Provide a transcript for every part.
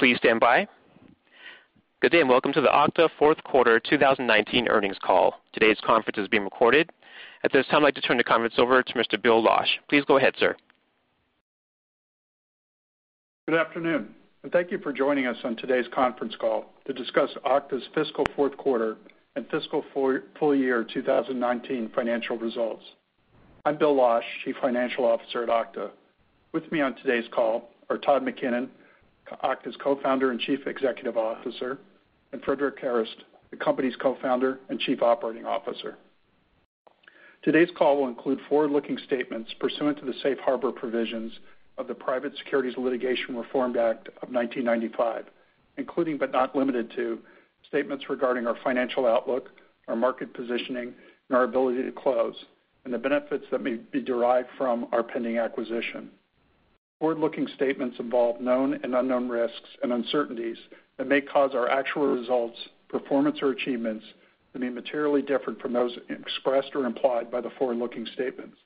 Please stand by. Good day, and welcome to the Okta fourth quarter 2019 earnings call. Today's conference is being recorded. At this time, I'd like to turn the conference over to Mr. Bill Losch. Please go ahead, sir. Good afternoon. Thank you for joining us on today's conference call to discuss Okta's fiscal fourth quarter and fiscal full year 2019 financial results. I'm Bill Losch, chief financial officer at Okta. With me on today's call are Todd McKinnon, Okta's co-founder and chief executive officer, and Frederic Kerrest, the company's co-founder and chief operating officer. Today's call will include forward-looking statements pursuant to the safe harbor provisions of the Private Securities Litigation Reform Act of 1995, including but not limited to statements regarding our financial outlook, our market positioning, and our ability to close, and the benefits that may be derived from our pending acquisition. Forward-looking statements involve known and unknown risks and uncertainties that may cause our actual results, performance, or achievements to be materially different from those expressed or implied by the forward-looking statements.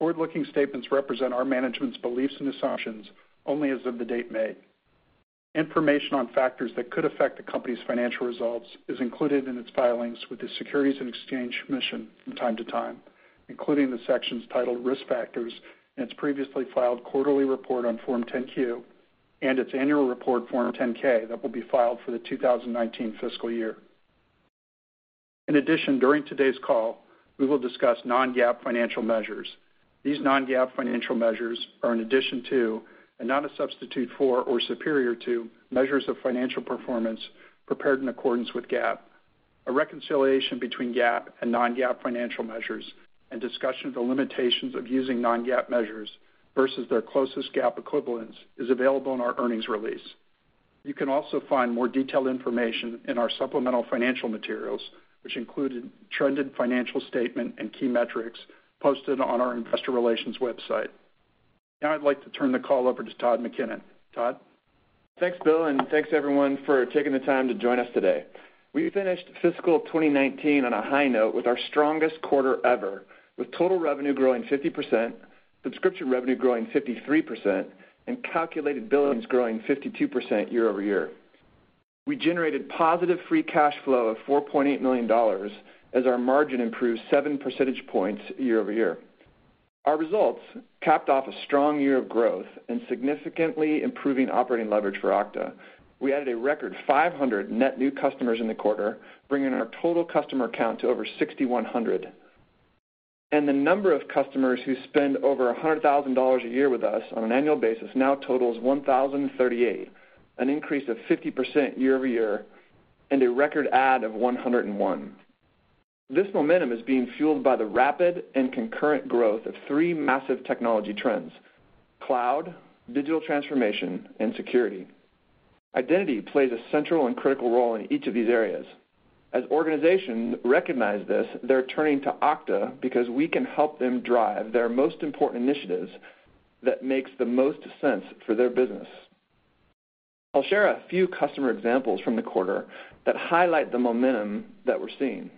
Forward-looking statements represent our management's beliefs and assumptions only as of the date made. Information on factors that could affect the company's financial results is included in its filings with the Securities and Exchange Commission from time to time, including the sections titled Risk Factors in its previously filed quarterly report on Form 10-Q and its annual report Form 10-K that will be filed for the 2019 fiscal year. During today's call, we will discuss non-GAAP financial measures. These non-GAAP financial measures are in addition to, and not a substitute for or superior to, measures of financial performance prepared in accordance with GAAP. A reconciliation between GAAP and non-GAAP financial measures and discussion of the limitations of using non-GAAP measures versus their closest GAAP equivalents is available in our earnings release. You can also find more detailed information in our supplemental financial materials, which include a trended financial statement and key metrics posted on our investor relations website. I'd like to turn the call over to Todd McKinnon. Todd? Thanks, Bill, and thanks, everyone, for taking the time to join us today. We finished fiscal 2019 on a high note with our strongest quarter ever, with total revenue growing 50%, subscription revenue growing 53%, and calculated billings growing 52% year-over-year. We generated positive free cash flow of $4.8 million as our margin improved seven percentage points year-over-year. Our results capped off a strong year of growth and significantly improving operating leverage for Okta. We added a record 500 net new customers in the quarter, bringing our total customer count to over 6,100. The number of customers who spend over $100,000 a year with us on an annual basis now totals 1,038, an increase of 50% year-over-year and a record add of 101. This momentum is being fueled by the rapid and concurrent growth of three massive technology trends: cloud, digital transformation, and security. Identity plays a central and critical role in each of these areas. As organizations recognize this, they're turning to Okta because we can help them drive their most important initiatives that makes the most sense for their business. I'll share a few customer examples from the quarter that highlight the momentum that we're seeing.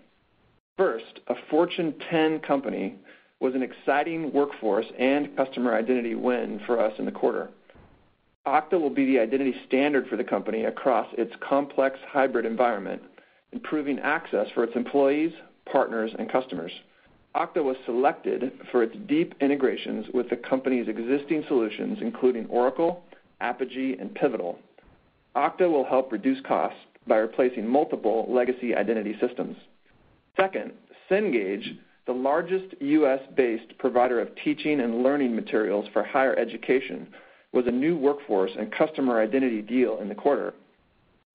First, a Fortune 10 company was an exciting workforce and customer identity win for us in the quarter. Okta will be the identity standard for the company across its complex hybrid environment, improving access for its employees, partners, and customers. Okta was selected for its deep integrations with the company's existing solutions, including Oracle, Apigee, and Pivotal. Okta will help reduce costs by replacing multiple legacy identity systems. Second, Cengage, the largest U.S.-based provider of teaching and learning materials for higher education, was a new workforce and customer identity deal in the quarter.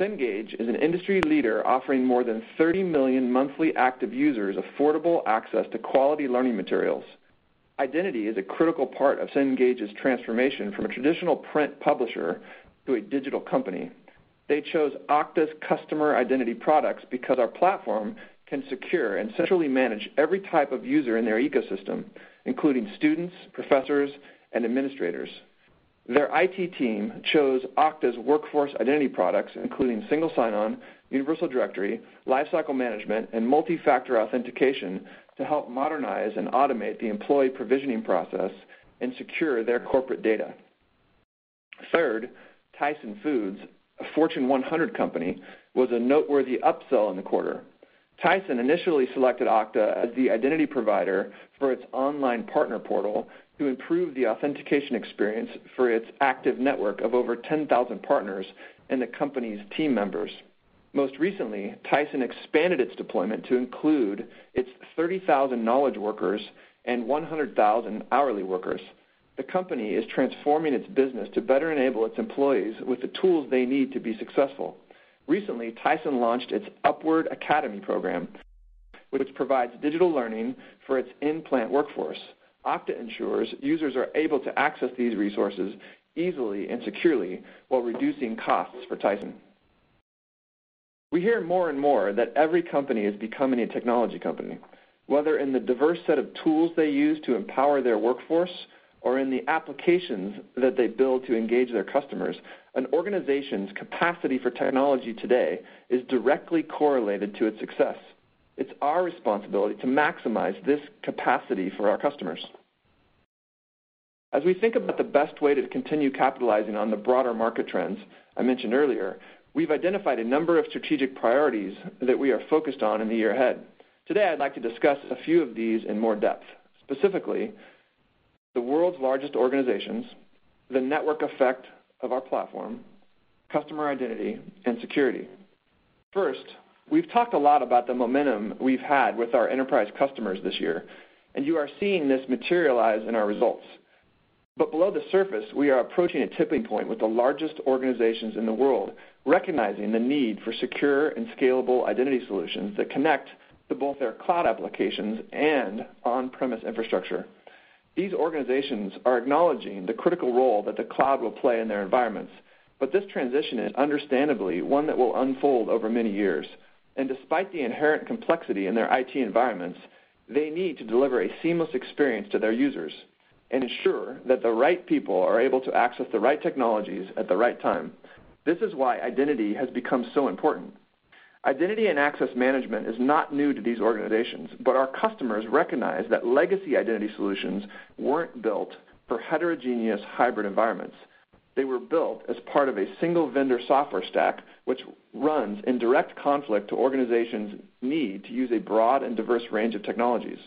Cengage is an industry leader offering more than 30 million monthly active users affordable access to quality learning materials. Identity is a critical part of Cengage's transformation from a traditional print publisher to a digital company. They chose Okta's customer identity products because our platform can secure and centrally manage every type of user in their ecosystem, including students, professors, and administrators. Their IT team chose Okta's workforce identity products, including Single Sign-On, Universal Directory, Lifecycle Management, and Multi-Factor Authentication to help modernize and automate the employee provisioning process and secure their corporate data. Third, Tyson Foods, a Fortune 100 company, was a noteworthy upsell in the quarter. Tyson initially selected Okta as the identity provider for its online partner portal to improve the authentication experience for its active network of over 10,000 partners and the company's team members. Most recently, Tyson expanded its deployment to include its 30,000 knowledge workers and 100,000 hourly workers. The company is transforming its business to better enable its employees with the tools they need to be successful. Recently, Tyson launched its Upward Academy program, which provides digital learning for its in-plant workforce. Okta ensures users are able to access these resources easily and securely while reducing costs for Tyson. We hear more and more that every company is becoming a technology company. Whether in the diverse set of tools they use to empower their workforce or in the applications that they build to engage their customers, an organization's capacity for technology today is directly correlated to its success. It's our responsibility to maximize this capacity for our customers. As we think about the best way to continue capitalizing on the broader market trends I mentioned earlier, we've identified a number of strategic priorities that we are focused on in the year ahead. Today, I'd like to discuss a few of these in more depth, specifically the world's largest organizations, the network effect of our platform, customer identity, and security. First, we've talked a lot about the momentum we've had with our enterprise customers this year, and you are seeing this materialize in our results. Below the surface, we are approaching a tipping point with the largest organizations in the world, recognizing the need for secure and scalable identity solutions that connect to both their cloud applications and on-premise infrastructure. These organizations are acknowledging the critical role that the cloud will play in their environments. This transition is understandably one that will unfold over many years. Despite the inherent complexity in their IT environments, they need to deliver a seamless experience to their users and ensure that the right people are able to access the right technologies at the right time. This is why identity has become so important. Identity and Access Management is not new to these organizations, but our customers recognize that legacy identity solutions weren't built for heterogeneous hybrid environments. They were built as part of a single-vendor software stack, which runs in direct conflict to organizations' need to use a broad and diverse range of technologies.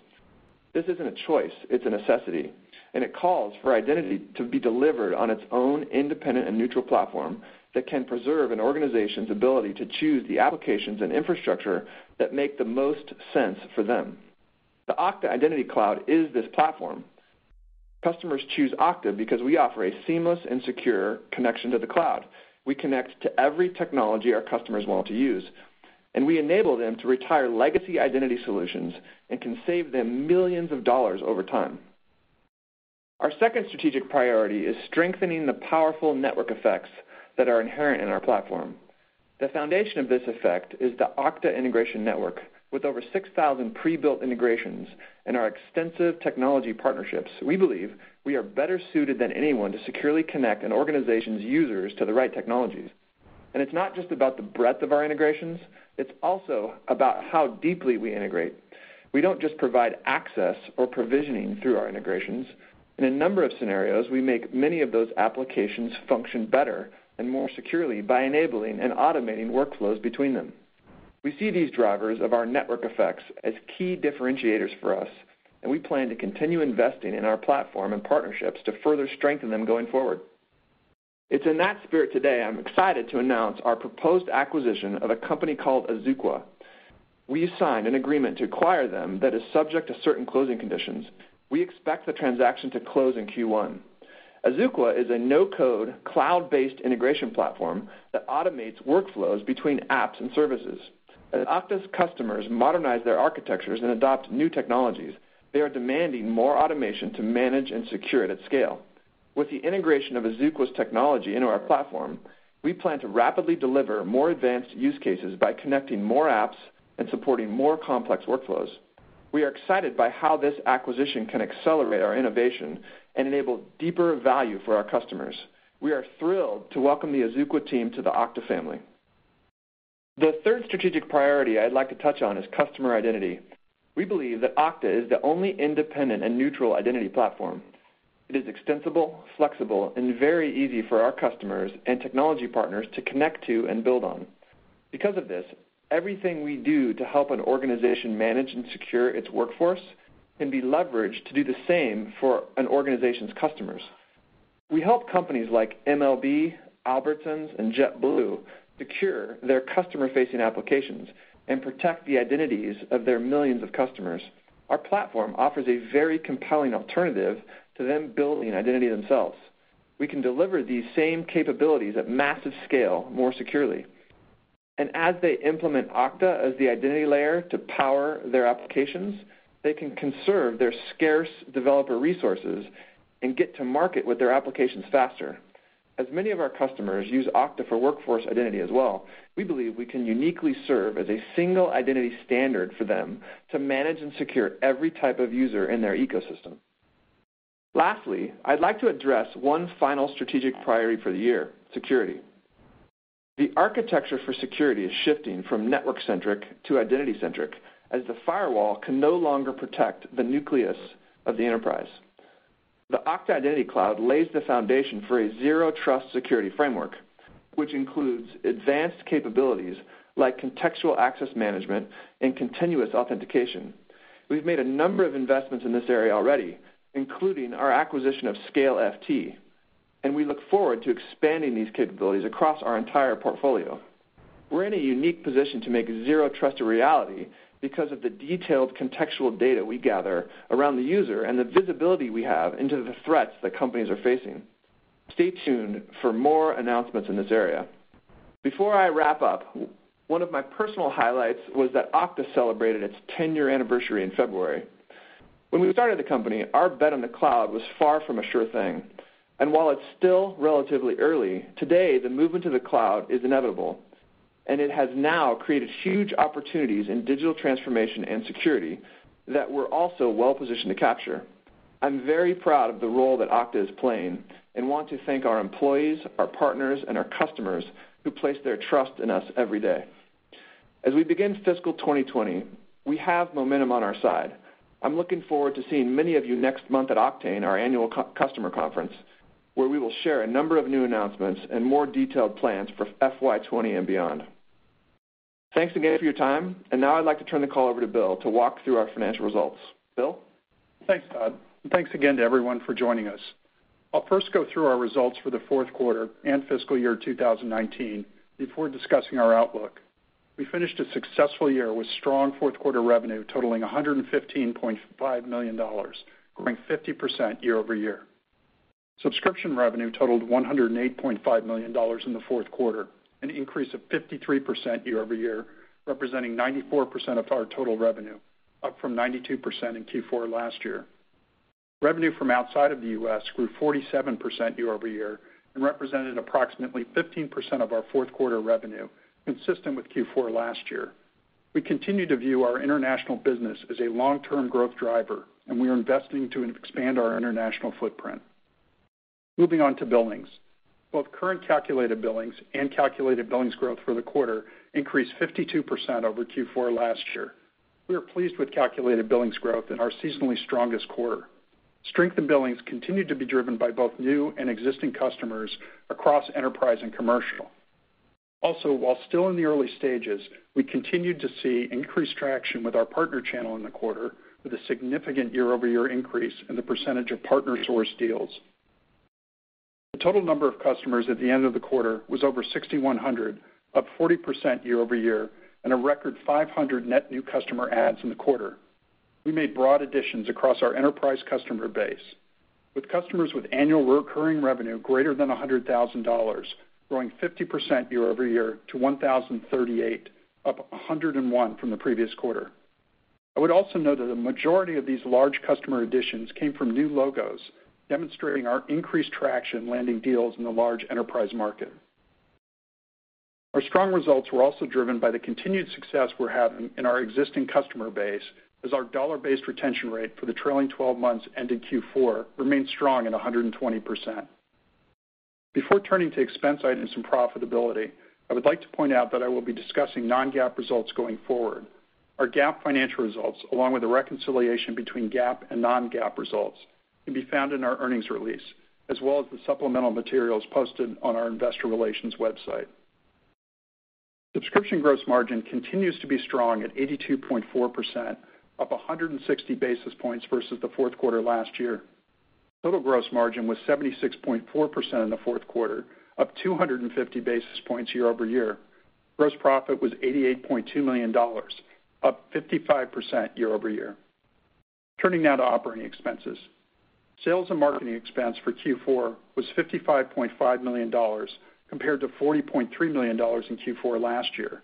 This isn't a choice, it's a necessity, and it calls for identity to be delivered on its own independent and neutral platform that can preserve an organization's ability to choose the applications and infrastructure that make the most sense for them. The Okta Identity Cloud is this platform. Customers choose Okta because we offer a seamless and secure connection to the cloud. We connect to every technology our customers want to use, and we enable them to retire legacy identity solutions and can save them millions of dollars over time. Our second strategic priority is strengthening the powerful network effects that are inherent in our platform. The foundation of this effect is the Okta Integration Network. With over 6,000 pre-built integrations and our extensive technology partnerships, we believe we are better suited than anyone to securely connect an organization's users to the right technologies. It's not just about the breadth of our integrations, it's also about how deeply we integrate. We don't just provide access or provisioning through our integrations. In a number of scenarios, we make many of those applications function better and more securely by enabling and automating workflows between them. We see these drivers of our network effects as key differentiators for us, and we plan to continue investing in our platform and partnerships to further strengthen them going forward. It's in that spirit today I'm excited to announce our proposed acquisition of a company called Azuqua. We signed an agreement to acquire them that is subject to certain closing conditions. We expect the transaction to close in Q1. Azuqua is a no-code, cloud-based integration platform that automates workflows between apps and services. As Okta's customers modernize their architectures and adopt new technologies, they are demanding more automation to manage and secure it at scale. With the integration of Azuqua's technology into our platform, we plan to rapidly deliver more advanced use cases by connecting more apps and supporting more complex workflows. We are excited by how this acquisition can accelerate our innovation and enable deeper value for our customers. We are thrilled to welcome the Azuqua team to the Okta family. The third strategic priority I'd like to touch on is customer identity. We believe that Okta is the only independent and neutral identity platform. It is extensible, flexible, and very easy for our customers and technology partners to connect to and build on. Because of this, everything we do to help an organization manage and secure its workforce can be leveraged to do the same for an organization's customers. We help companies like MLB, Albertsons, and JetBlue secure their customer-facing applications and protect the identities of their millions of customers. Our platform offers a very compelling alternative to them building identity themselves. We can deliver these same capabilities at massive scale more securely. As they implement Okta as the identity layer to power their applications, they can conserve their scarce developer resources and get to market with their applications faster. As many of our customers use Okta for workforce identity as well, we believe we can uniquely serve as a single identity standard for them to manage and secure every type of user in their ecosystem. Lastly, I'd like to address one final strategic priority for the year: security. The architecture for security is shifting from network-centric to identity-centric, as the firewall can no longer protect the nucleus of the enterprise. The Okta Identity Cloud lays the foundation for a zero-trust security framework, which includes advanced capabilities like contextual access management and continuous authentication. We've made a number of investments in this area already, including our acquisition of ScaleFT, and we look forward to expanding these capabilities across our entire portfolio. We're in a unique position to make zero trust a reality because of the detailed contextual data we gather around the user and the visibility we have into the threats that companies are facing. Stay tuned for more announcements in this area. Before I wrap up, one of my personal highlights was that Okta celebrated its 10-year anniversary in February. When we started the company, our bet on the cloud was far from a sure thing. While it's still relatively early, today, the movement to the cloud is inevitable, and it has now created huge opportunities in digital transformation and security that we're also well-positioned to capture. I'm very proud of the role that Okta is playing, and want to thank our employees, our partners, and our customers, who place their trust in us every day. As we begin fiscal 2020, we have momentum on our side. I'm looking forward to seeing many of you next month at Oktane, our annual customer conference, where we will share a number of new announcements and more detailed plans for FY 2020 and beyond. Thanks again for your time. Now I'd like to turn the call over to Bill to walk through our financial results. Bill? Thanks, Todd, and thanks again to everyone for joining us. I will first go through our results for the fourth quarter and fiscal year 2019, before discussing our outlook. We finished a successful year with strong fourth quarter revenue totaling $115.5 million, growing 50% year-over-year. Subscription revenue totaled $108.5 million in the fourth quarter, an increase of 53% year-over-year, representing 94% of our total revenue, up from 92% in Q4 last year. Revenue from outside of the U.S. grew 47% year-over-year and represented approximately 15% of our fourth quarter revenue, consistent with Q4 last year. We continue to view our international business as a long-term growth driver. We are investing to expand our international footprint. Moving on to billings. Both current calculated billings and calculated billings growth for the quarter increased 52% over Q4 last year. We are pleased with calculated billings growth in our seasonally strongest quarter. Strength in billings continued to be driven by both new and existing customers across enterprise and commercial. While still in the early stages, we continued to see increased traction with our partner channel in the quarter, with a significant year-over-year increase in the percentage of partner-sourced deals. The total number of customers at the end of the quarter was over 6,100, up 40% year-over-year, and a record 500 net new customer adds in the quarter. We made broad additions across our enterprise customer base, with customers with annual recurring revenue greater than $100,000 growing 50% year-over-year to 1,038, up 101 from the previous quarter. I would also note that a majority of these large customer additions came from new logos, demonstrating our increased traction landing deals in the large enterprise market. Our strong results were also driven by the continued success we are having in our existing customer base, as our dollar-based retention rate for the trailing 12 months ended Q4 remained strong at 120%. Before turning to expense items and profitability, I would like to point out that I will be discussing non-GAAP results going forward. Our GAAP financial results, along with a reconciliation between GAAP and non-GAAP results, can be found in our earnings release, as well as the supplemental materials posted on our investor relations website. Subscription gross margin continues to be strong at 82.4%, up 160 basis points versus the fourth quarter last year. Total gross margin was 76.4% in the fourth quarter, up 250 basis points year-over-year. Gross profit was $88.2 million, up 55% year-over-year. Turning now to operating expenses. Sales and marketing expense for Q4 was $55.5 million, compared to $40.3 million in Q4 last year.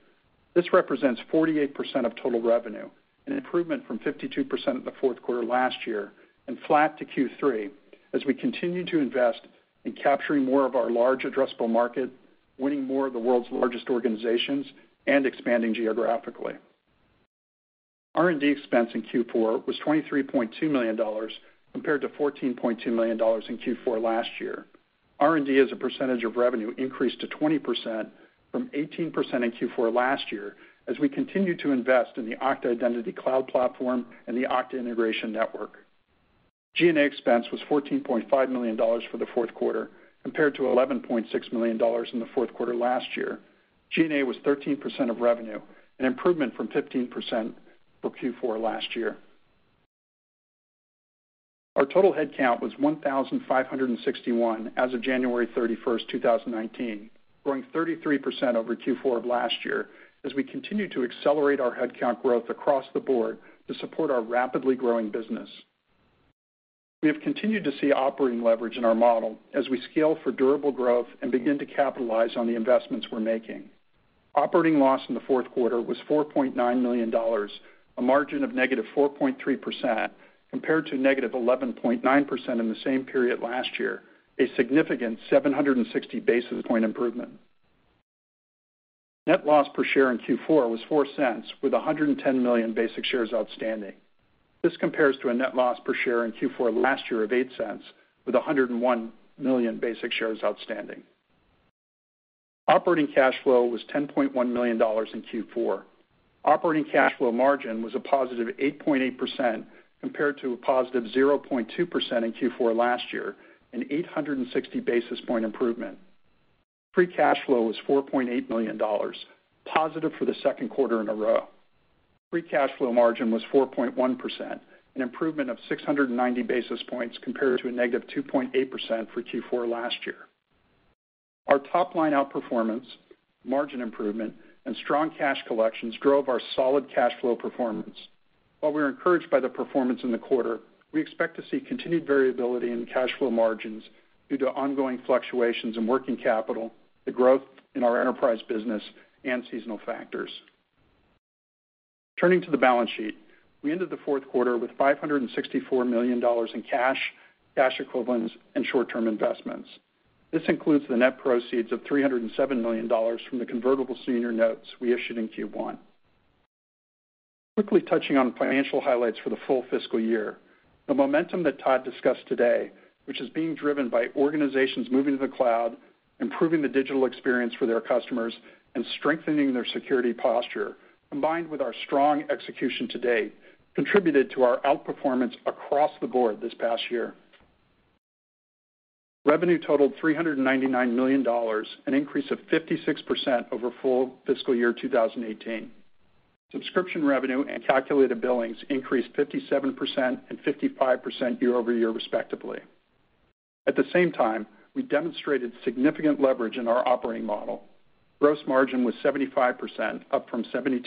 This represents 48% of total revenue, an improvement from 52% of the fourth quarter last year, and flat to Q3, as we continue to invest in capturing more of our large addressable market, winning more of the world's largest organizations, and expanding geographically. R&D expense in Q4 was $23.2 million, compared to $14.2 million in Q4 last year. R&D as a percentage of revenue increased to 20%, from 18% in Q4 last year, as we continue to invest in the Okta Identity Cloud platform and the Okta Integration Network. G&A expense was $14.5 million for the fourth quarter, compared to $11.6 million in the fourth quarter last year. G&A was 13% of revenue, an improvement from 15% for Q4 last year. Our total head count was 1,561 as of January 31st, 2019, growing 33% over Q4 of last year as we continue to accelerate our head count growth across the board to support our rapidly growing business. We have continued to see operating leverage in our model as we scale for durable growth and begin to capitalize on the investments we're making. Operating loss in the fourth quarter was $4.9 million, a margin of -4.3%, compared to -11.9% in the same period last year, a significant 760 basis point improvement. Net loss per share in Q4 was $0.04, with 110 million basic shares outstanding. This compares to a net loss per share in Q4 last year of $0.08, with 101 million basic shares outstanding. Operating cash flow was $10.1 million in Q4. Operating cash flow margin was a positive 8.8%, compared to a positive 0.2% in Q4 last year, an 860 basis point improvement. Free cash flow was $4.8 million, positive for the second quarter in a row. Free cash flow margin was 4.1%, an improvement of 690 basis points compared to a -2.8% for Q4 last year. Our top-line outperformance, margin improvement, and strong cash collections drove our solid cash flow performance. While we're encouraged by the performance in the quarter, we expect to see continued variability in cash flow margins due to ongoing fluctuations in working capital, the growth in our enterprise business, and seasonal factors. Turning to the balance sheet, we ended the fourth quarter with $564 million in cash equivalents, and short-term investments. This includes the net proceeds of $307 million from the convertible senior notes we issued in Q1. Quickly touching on financial highlights for the full fiscal year. The momentum that Todd discussed today, which is being driven by organizations moving to the cloud, improving the digital experience for their customers, and strengthening their security posture, combined with our strong execution to date, contributed to our outperformance across the board this past year. Revenue totaled $399 million, an increase of 56% over full fiscal year 2018. Subscription revenue and calculated billings increased 57% and 55% year-over-year respectively. At the same time, we demonstrated significant leverage in our operating model. Gross margin was 75%, up from 72%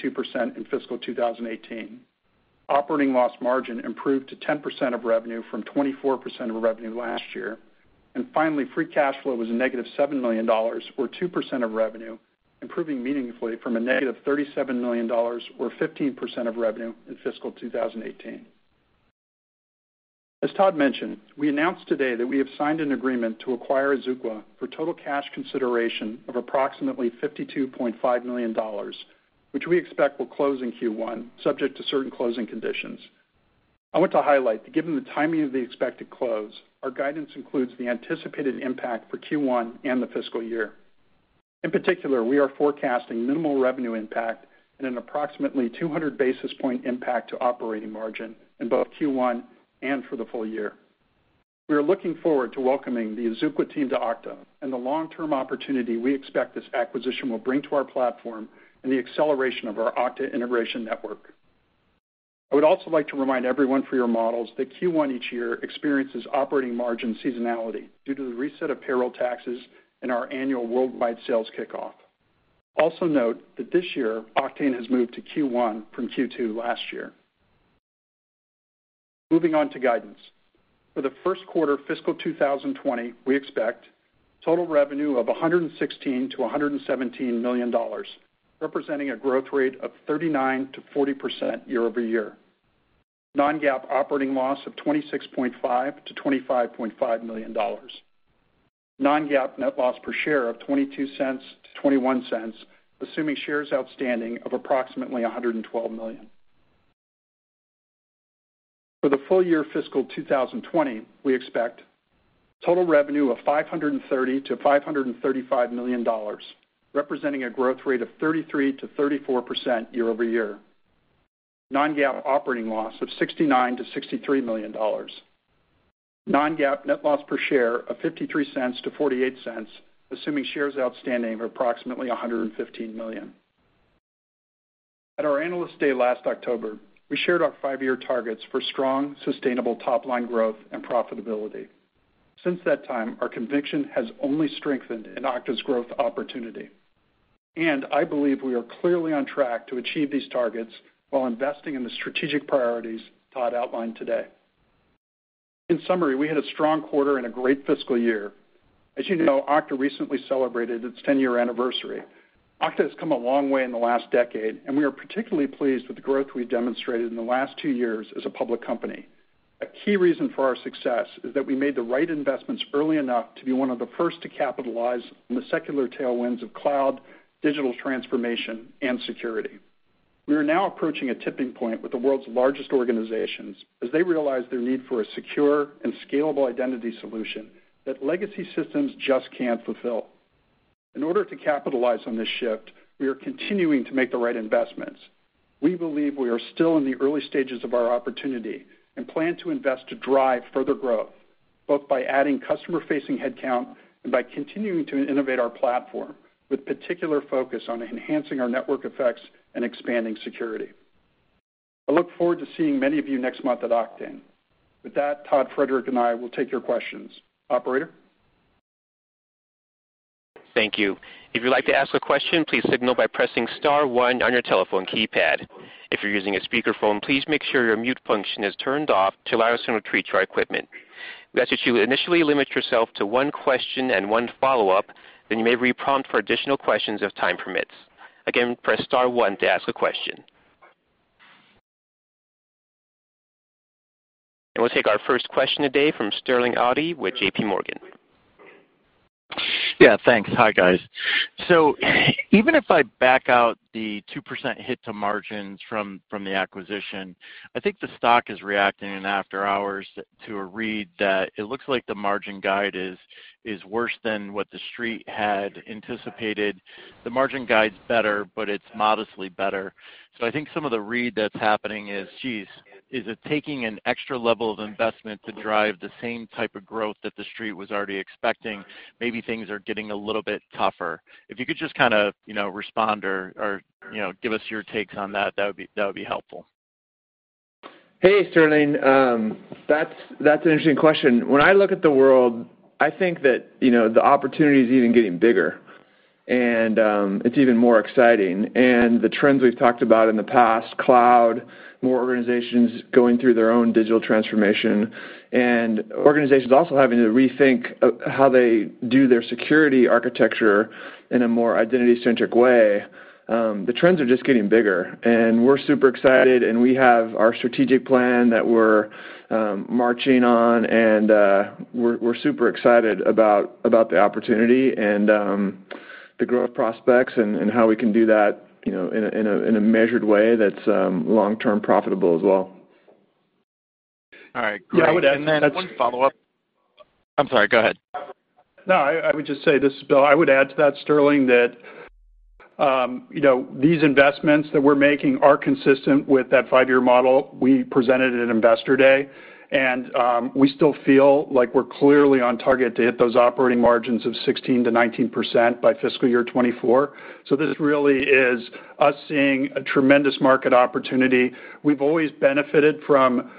in fiscal 2018. Operating loss margin improved to 10% of revenue from 24% of revenue last year. Finally, free cash flow was a negative $7 million or 2% of revenue, improving meaningfully from a negative $37 million or 15% of revenue in fiscal 2018. As Todd mentioned, we announced today that we have signed an agreement to acquire Azuqua for total cash consideration of approximately $52.5 million, which we expect will close in Q1 subject to certain closing conditions. I want to highlight that given the timing of the expected close, our guidance includes the anticipated impact for Q1 and the fiscal year. In particular, we are forecasting minimal revenue impact and an approximately 200 basis point impact to operating margin in both Q1 and for the full year. We are looking forward to welcoming the Azuqua team to Okta and the long-term opportunity we expect this acquisition will bring to our platform and the acceleration of our Okta Integration Network. I would also like to remind everyone for your models that Q1 each year experiences operating margin seasonality due to the reset of payroll taxes and our annual worldwide sales kickoff. Also note that this year, Oktane has moved to Q1 from Q2 last year. Moving on to guidance. For the first quarter fiscal 2020, we expect total revenue of $116 million-$117 million, representing a growth rate of 39%-40% year-over-year. Non-GAAP operating loss of $26.5 million-$25.5 million. Non-GAAP net loss per share of $0.22-$0.21, assuming shares outstanding of approximately 112 million. For the full year fiscal 2020, we expect total revenue of $530 million-$535 million, representing a growth rate of 33%-34% year-over-year. Non-GAAP operating loss of $69 million-$63 million. Non-GAAP net loss per share of $0.53-$0.48, assuming shares outstanding of approximately 115 million. At our Analyst Day last October, we shared our five-year targets for strong, sustainable top-line growth and profitability. Since that time, our conviction has only strengthened in Okta's growth opportunity. I believe we are clearly on track to achieve these targets while investing in the strategic priorities Todd outlined today. In summary, we had a strong quarter and a great fiscal year. As you know, Okta recently celebrated its 10-year anniversary. Okta has come a long way in the last decade, and we are particularly pleased with the growth we've demonstrated in the last two years as a public company. A key reason for our success is that we made the right investments early enough to be one of the first to capitalize on the secular tailwinds of cloud, digital transformation, and security. We are now approaching a tipping point with the world's largest organizations as they realize their need for a secure and scalable identity solution that legacy systems just can't fulfill. In order to capitalize on this shift, we are continuing to make the right investments. We believe we are still in the early stages of our opportunity and plan to invest to drive further growth, both by adding customer-facing headcount and by continuing to innovate our platform with particular focus on enhancing our network effects and expanding security. I look forward to seeing many of you next month at Oktane. With that, Todd, Frederic, and I will take your questions. Operator? Thank you. If you'd like to ask a question, please signal by pressing *1 on your telephone keypad. If you're using a speakerphone, please make sure your mute function is turned off to allow us to retrieve our equipment. We ask that you initially limit yourself to one question and one follow-up. You may be prompted for additional questions if time permits. Again, press *1 to ask a question. We'll take our first question today from Sterling Auty with J.P. Morgan. Even if I back out the 2% hit to margins from the acquisition, I think the stock is reacting in after-hours to a read that it looks like the margin guide is worse than what the Street had anticipated. The margin guide's better, but it's modestly better. I think some of the read that's happening is, geez, is it taking an extra level of investment to drive the same type of growth that the Street was already expecting? Maybe things are getting a little bit tougher. If you could just kind of respond or give us your takes on that would be helpful. Hey, Sterling. That's an interesting question. When I look at the world, I think that the opportunity is even getting bigger, and it's even more exciting. The trends we've talked about in the past, cloud, more organizations going through their own digital transformation, and organizations also having to rethink how they do their security architecture in a more identity-centric way. The trends are just getting bigger, and we're super excited, and we have our strategic plan that we're marching on, and we're super excited about the opportunity and the growth prospects and how we can do that in a measured way that's long-term profitable as well. All right, great. Yeah, I would add- One follow-up. I'm sorry, go ahead. No, I would just say, this is Bill. I would add to that, Sterling, that these investments that we're making are consistent with that five-year model we presented at Investor Day, and we still feel like we're clearly on target to hit those operating margins of 16%-19% by fiscal year 2024. This really is us seeing a tremendous market opportunity. We've always benefited from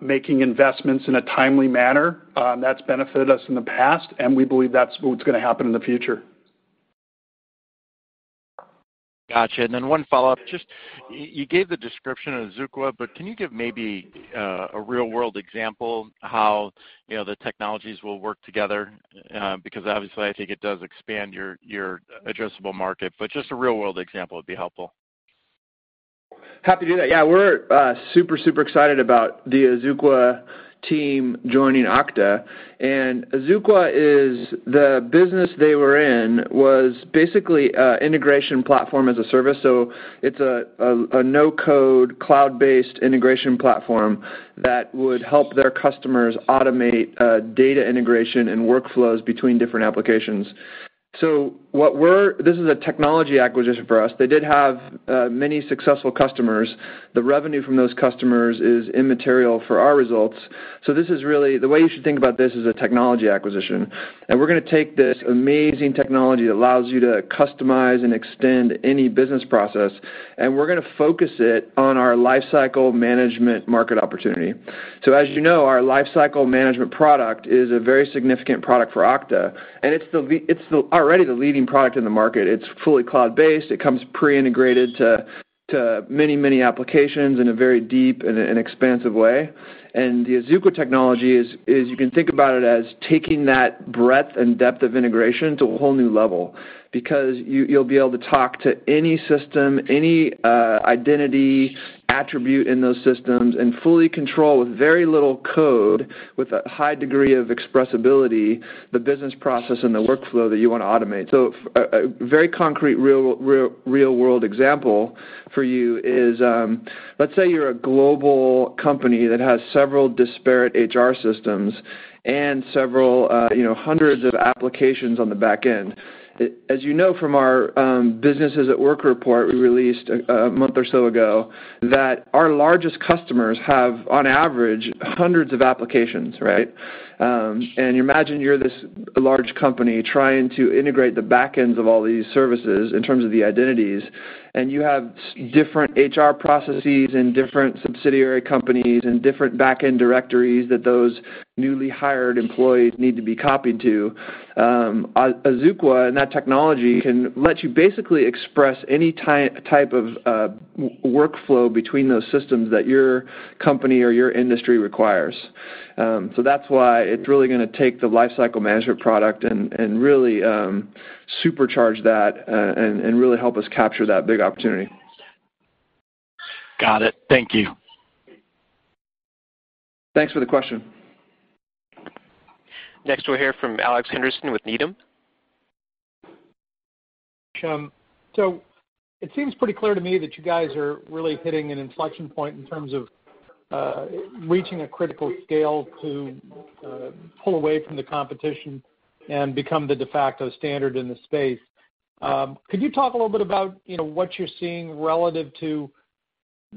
making investments in a timely manner. That's benefited us in the past, and we believe that's what's going to happen in the future. Got you. One follow-up. You gave the description of Azuqua, but can you give maybe a real-world example how the technologies will work together? Obviously, I think it does expand your addressable market, but just a real-world example would be helpful. Happy to do that. Yeah, we're super excited about the Azuqua team joining Okta. Azuqua is the business they were in was basically a integration platform as a service. It's a no-code, cloud-based integration platform that would help their customers automate data integration and workflows between different applications. This is a technology acquisition for us. They did have many successful customers. The revenue from those customers is immaterial for our results. The way you should think about this is a technology acquisition. We're going to take this amazing technology that allows you to customize and extend any business process, and we're going to focus it on our Lifecycle Management market opportunity. As you know, our Lifecycle Management product is a very significant product for Okta, and it's already the leading product in the market. It's fully cloud-based. It comes pre-integrated to many applications in a very deep and expansive way. The Azuqua technology is, you can think about it as taking that breadth and depth of integration to a whole new level because you'll be able to talk to any system, any identity attribute in those systems, and fully control with very little code, with a high degree of expressibility, the business process and the Workday that you want to automate. A very concrete, real-world example for you is, let's say you're a global company that has several disparate HR systems and hundreds of applications on the back end. As you know from our Businesses at Work report we released a month or so ago, that our largest customers have, on average, hundreds of applications, right? Imagine you're this large company trying to integrate the back ends of all these services in terms of the identities, and you have different HR processes and different subsidiary companies and different back-end directories that those newly hired employees need to be copied to. Azuqua and that technology can let you basically express any type of Workday between those systems that your company or your industry requires. That's why it's really going to take the Lifecycle Management product and really supercharge that and really help us capture that big opportunity. Got it. Thank you. Thanks for the question. We'll hear from Alex Henderson with Needham. It seems pretty clear to me that you guys are really hitting an inflection point in terms of reaching a critical scale to pull away from the competition and become the de facto standard in the space. Could you talk a little bit about what you're seeing relative to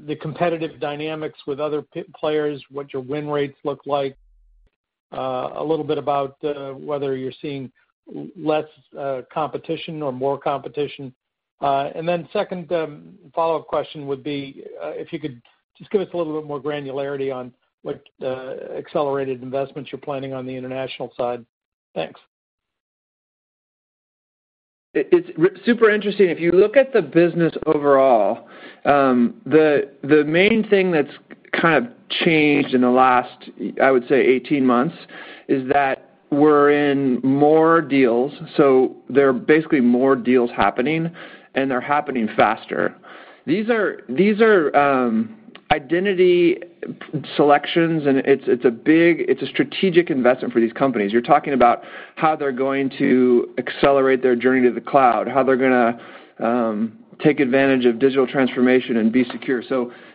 the competitive dynamics with other players, what your win rates look like, a little bit about whether you're seeing less competition or more competition? Second follow-up question would be, if you could just give us a little bit more granularity on what accelerated investments you're planning on the international side. Thanks. It's super interesting. If you look at the business overall, the main thing that's kind of changed in the last, I would say 18 months is that we're in more deals, there are basically more deals happening, and they're happening faster. These are identity selections, and it's a strategic investment for these companies. You're talking about how they're going to accelerate their journey to the cloud, how they're going to take advantage of digital transformation and be secure.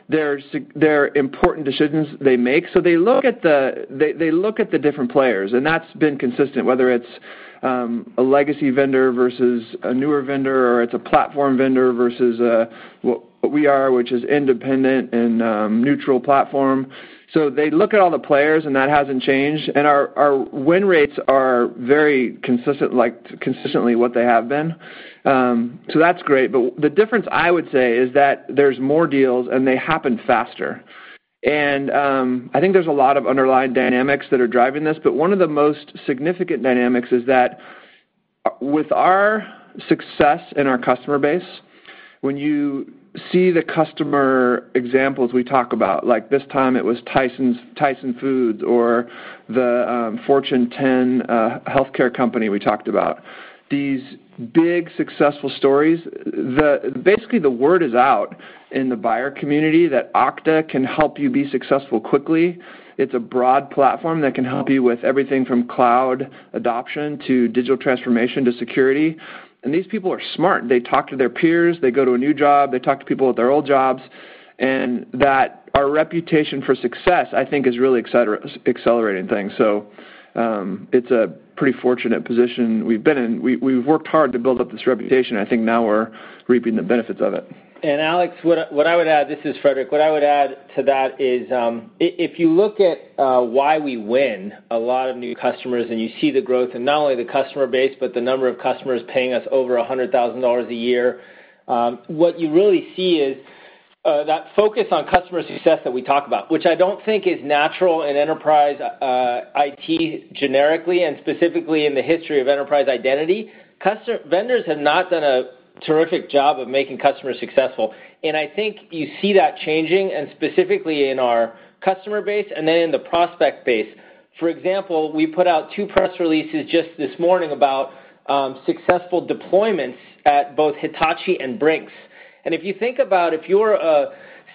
They're important decisions they make. They look at the different players, and that's been consistent, whether it's a legacy vendor versus a newer vendor, or it's a platform vendor versus what we are, which is independent and neutral platform. They look at all the players, and that hasn't changed. Our win rates are very consistent, like consistently what they have been. That's great. The difference, I would say, is that there's more deals, and they happen faster. I think there's a lot of underlying dynamics that are driving this, but one of the most significant dynamics is that with our success and our customer base, when you see the customer examples we talk about, like this time it was Tyson Foods or the Fortune 10 healthcare company we talked about. These big, successful stories. Basically, the word is out in the buyer community that Okta can help you be successful quickly. It's a broad platform that can help you with everything from cloud adoption to digital transformation to security. These people are smart. They talk to their peers. They go to a new job. They talk to people at their old jobs. That our reputation for success, I think, is really accelerating things. It's a pretty fortunate position we've been in. We've worked hard to build up this reputation. I think now we're reaping the benefits of it. Alex, this is Frederic, what I would add to that is if you look at why we win a lot of new customers and you see the growth in not only the customer base, but the number of customers paying us over $100,000 a year, what you really see is that focus on customer success that we talk about. Which I don't think is natural in enterprise IT generically, and specifically in the history of enterprise identity. Vendors have not done a terrific job of making customers successful. I think you see that changing, and specifically in our customer base and then in the prospect base. For example, we put out two press releases just this morning about successful deployments at both Hitachi and Brink's. If you think about if you're a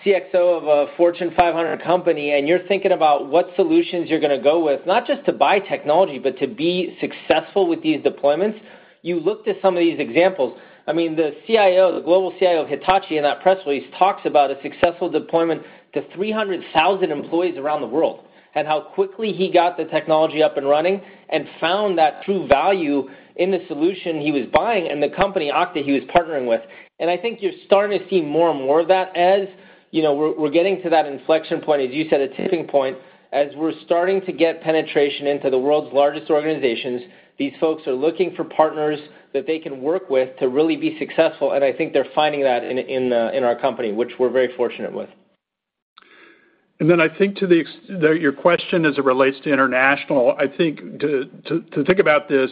CXO of a Fortune 500 company, and you're thinking about what solutions you're going to go with, not just to buy technology, but to be successful with these deployments, you look to some of these examples. The global CIO of Hitachi in that press release talks about a successful deployment to 300,000 employees around the world, and how quickly he got the technology up and running and found that true value in the solution he was buying and the company, Okta, he was partnering with. I think you're starting to see more and more of that as we're getting to that inflection point, as you said, a tipping point, as we're starting to get penetration into the world's largest organizations. These folks are looking for partners that they can work with to really be successful, and I think they're finding that in our company, which we're very fortunate with. I think to your question as it relates to international, I think to think about this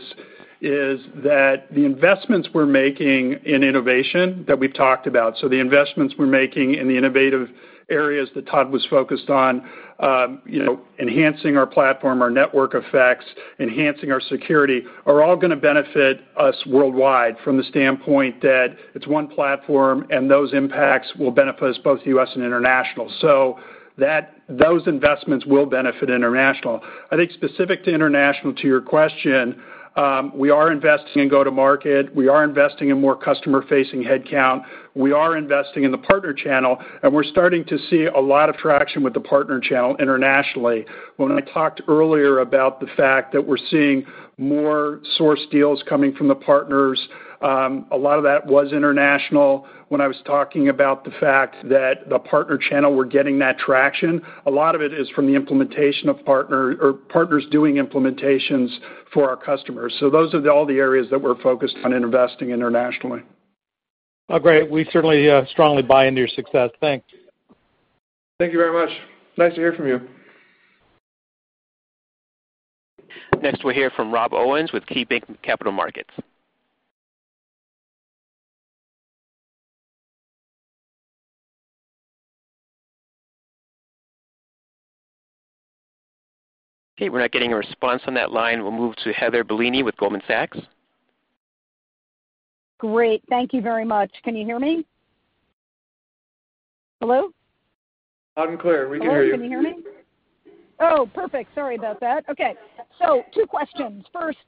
is that the investments we're making in innovation that we've talked about, the investments we're making in the innovative areas that Todd was focused on, enhancing our platform, our network effects, enhancing our security, are all going to benefit us worldwide from the standpoint that it's one platform, and those impacts will benefit us both U.S. and international. Those investments will benefit international. I think specific to international, to your question, we are investing in go-to-market. We are investing in more customer-facing headcount. We are investing in the partner channel, and we're starting to see a lot of traction with the partner channel internationally. When I talked earlier about the fact that we're seeing more source deals coming from the partners, a lot of that was international. When I was talking about the fact that the partner channel were getting that traction, a lot of it is from the implementation of partners or partners doing implementations for our customers. Those are all the areas that we're focused on in investing internationally. Great. We certainly strongly buy into your success. Thanks. Thank you very much. Nice to hear from you. Next, we'll hear from Rob Owens with KeyBanc Capital Markets. Okay, we're not getting a response on that line. We'll move to Heather Bellini with Goldman Sachs. Great. Thank you very much. Can you hear me? Hello? Loud and clear. We can hear you. Can you hear me? Perfect. Sorry about that. Okay. Two questions. First,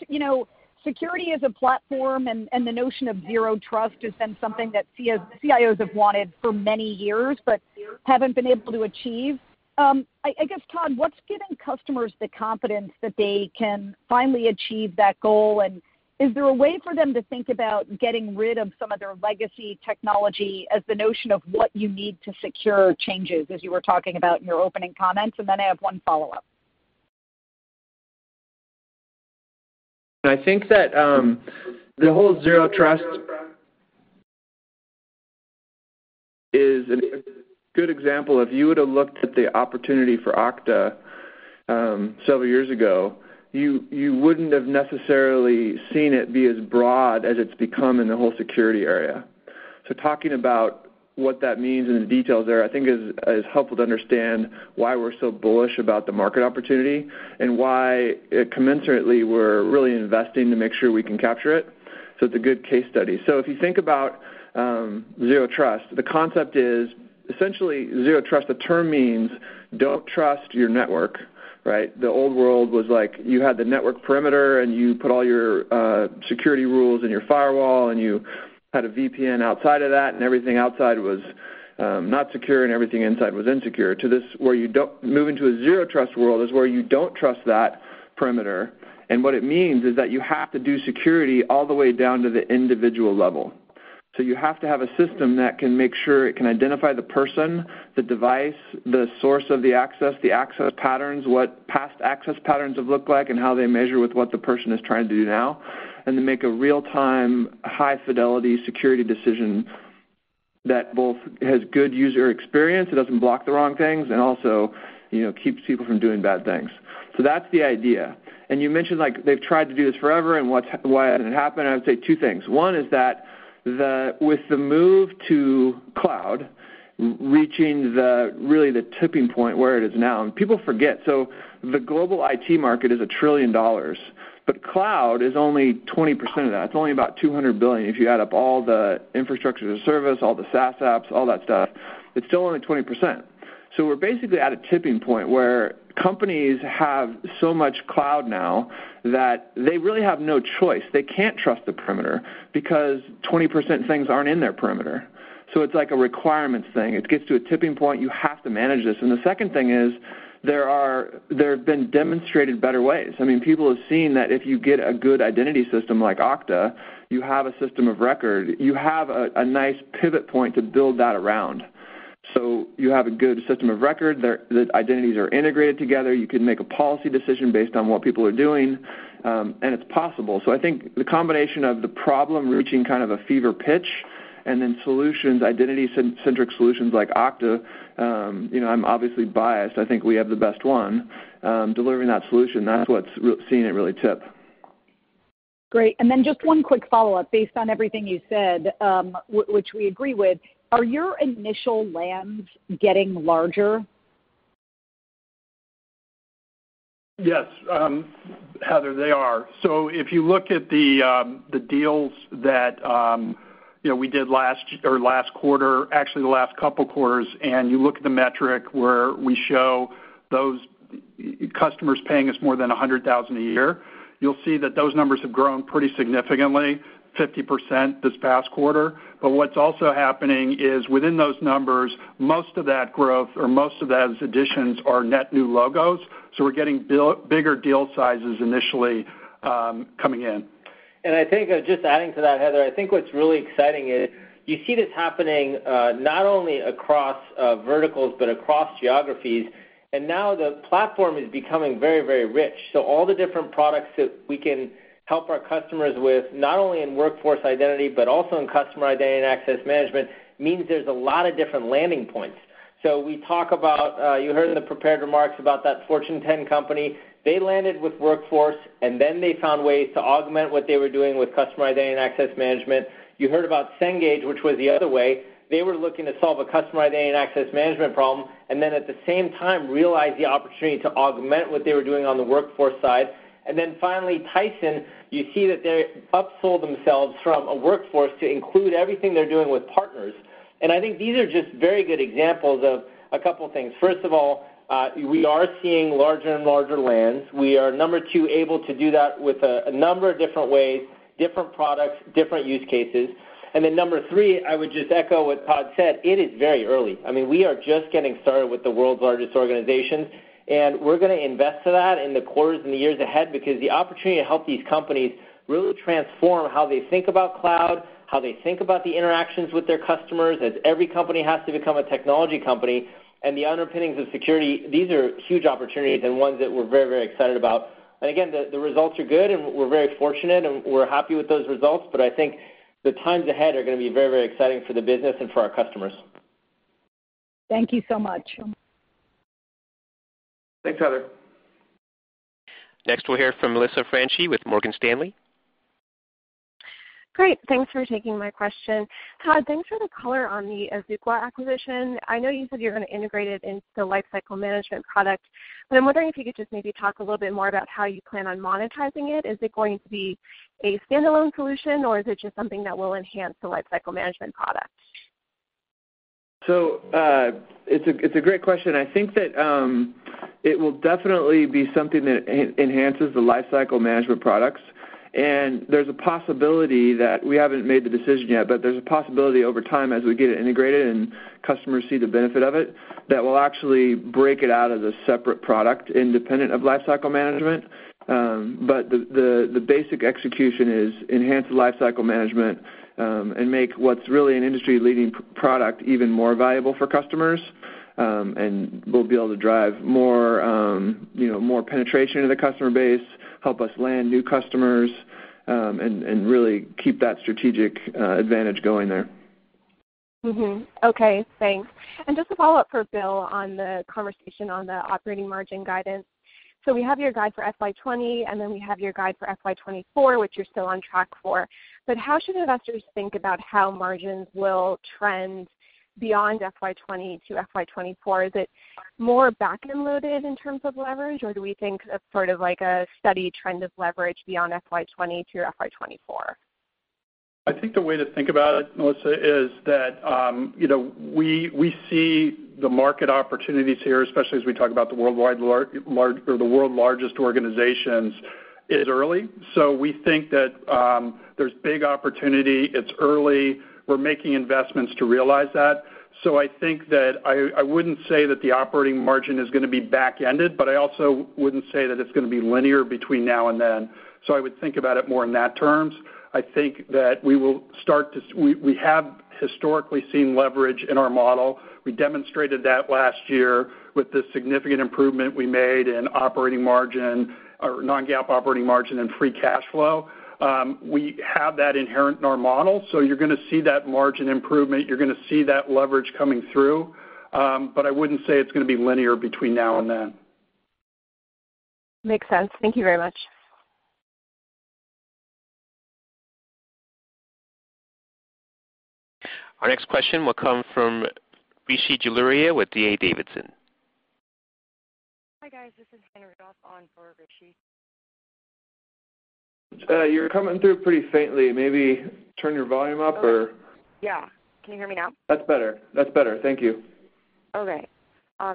security as a platform and the notion of zero trust has been something that CIOs have wanted for many years but haven't been able to achieve. I guess, Todd, what's giving customers the confidence that they can finally achieve that goal? Is there a way for them to think about getting rid of some of their legacy technology as the notion of what you need to secure changes as you were talking about in your opening comments? I have one follow-up. I think that the whole zero trust is a good example. If you would've looked at the opportunity for Okta several years ago, you wouldn't have necessarily seen it be as broad as it's become in the whole security area. Talking about what that means in the details there, I think is helpful to understand why we're so bullish about the market opportunity and why commensurately we're really investing to make sure we can capture it. It's a good case study. If you think about zero trust, the concept is essentially zero trust, the term means don't trust your network, right? The old world was like you had the network perimeter, and you put all your security rules in your firewall, and you had a VPN outside of that, and everything outside was not secure, and everything inside was insecure. To this where you move into a zero trust world is where you don't trust that perimeter, and what it means is that you have to do security all the way down to the individual level. You have to have a system that can make sure it can identify the person, the device, the source of the access, the access patterns, what past access patterns have looked like, and how they measure with what the person is trying to do now. To make a real-time, high fidelity security decision that both has good user experience, it doesn't block the wrong things, and also keeps people from doing bad things. That's the idea. You mentioned they've tried to do this forever and why hasn't it happened? I would say two things. One is that with the move to cloud reaching really the tipping point where it is now. People forget, so the global IT market is $1 trillion, but cloud is only 20% of that. It's only about $200 billion if you add up all the infrastructure as a service, all the SaaS apps, all that stuff. It's still only 20%. We're basically at a tipping point where companies have so much cloud now that they really have no choice. They can't trust the perimeter, because 20% of things aren't in their perimeter. It's like a requirements thing. It gets to a tipping point, you have to manage this. The second thing is, there have been demonstrated better ways. People have seen that if you get a good identity system like Okta, you have a system of record. You have a nice pivot point to build that around. You have a good system of record. The identities are integrated together. You can make a policy decision based on what people are doing. It's possible. I think the combination of the problem reaching kind of a fever pitch, and then identity-centric solutions like Okta, I'm obviously biased, I think we have the best one, delivering that solution, that's what's seeing it really tip. Great. Just one quick follow-up based on everything you said, which we agree with. Are your initial lands getting larger? Yes, Heather, they are. If you look at the deals that we did last quarter, actually the last couple of quarters, and you look at the metric where we show those customers paying us more than $100,000 a year, you'll see that those numbers have grown pretty significantly, 50% this past quarter. What's also happening is within those numbers, most of that growth or most of those additions are net new logos. We're getting bigger deal sizes initially coming in. I think, just adding to that, Heather, I think what's really exciting is you see this happening not only across verticals but across geographies. Now the platform is becoming very, very rich. All the different products that we can help our customers with, not only in Workforce Identity, but also in customer identity and access management, means there's a lot of different landing points. We talk about, you heard in the prepared remarks about that Fortune 10 company. They landed with Workforce, and then they found ways to augment what they were doing with customer identity and access management. You heard about Cengage, which was the other way. They were looking to solve a customer identity and access management problem, and then at the same time realized the opportunity to augment what they were doing on the Workforce side. Finally, Tyson, you see that they upsold themselves from a Workforce to include everything they're doing with partners. I think these are just very good examples of a couple of things. First of all, we are seeing larger and larger lands. We are, number 2, able to do that with a number of different ways, different products, different use cases. Number 3, I would just echo what Todd said, it is very early. We are just getting started with the world's largest organizations, and we're going to invest to that in the quarters and the years ahead because the opportunity to help these companies really transform how they think about cloud, how they think about the interactions with their customers, as every company has to become a technology company, and the underpinnings of security. These are huge opportunities and ones that we're very, very excited about. Again, the results are good, and we're very fortunate, and we're happy with those results. I think the times ahead are going to be very, very exciting for the business and for our customers. Thank you so much. Thanks, Heather. Next, we'll hear from Melissa Franchi with Morgan Stanley. Great. Thanks for taking my question. Todd, thanks for the color on the Azuqua acquisition. I know you said you're going to integrate it into the Lifecycle Management product, I'm wondering if you could just maybe talk a little bit more about how you plan on monetizing it. Is it going to be a standalone solution, or is it just something that will enhance the Lifecycle Management product? It's a great question. I think that it will definitely be something that enhances the Lifecycle Management products. There's a possibility that, we haven't made the decision yet, there's a possibility over time as we get it integrated and customers see the benefit of it, that we'll actually break it out as a separate product independent of Lifecycle Management. The basic execution is enhance Lifecycle Management, and make what's really an industry-leading product even more valuable for customers. We'll be able to drive more penetration into the customer base, help us land new customers, and really keep that strategic advantage going there. Mm-hmm. Okay, thanks. Just a follow-up for Bill on the conversation on the operating margin guidance. We have your guide for FY 2020, we have your guide for FY 2024, which you're still on track for. How should investors think about how margins will trend beyond FY 2020 to FY 2024? Is it more backend loaded in terms of leverage, or do we think of sort of like a steady trend of leverage beyond FY 2020 to FY 2024? I think the way to think about it, Melissa, is that we see the market opportunities here, especially as we talk about the world largest organizations, is early. We think that there's big opportunity. It's early. We're making investments to realize that. I think that I wouldn't say that the operating margin is going to be back-ended, but I also wouldn't say that it's going to be linear between now and then. I would think about it more in that terms. I think that we have historically seen leverage in our model. We demonstrated that last year with the significant improvement we made in non-GAAP operating margin and free cash flow. We have that inherent in our model, you're going to see that margin improvement, you're going to see that leverage coming through. I wouldn't say it's going to be linear between now and then. Makes sense. Thank you very much. Our next question will come from Rishi Jaluria with D.A. Davidson. Hi, guys. This is Hannah on for Rishi. You're coming through pretty faintly. Maybe turn your volume up or. Yeah. Can you hear me now? That's better. Thank you. Okay.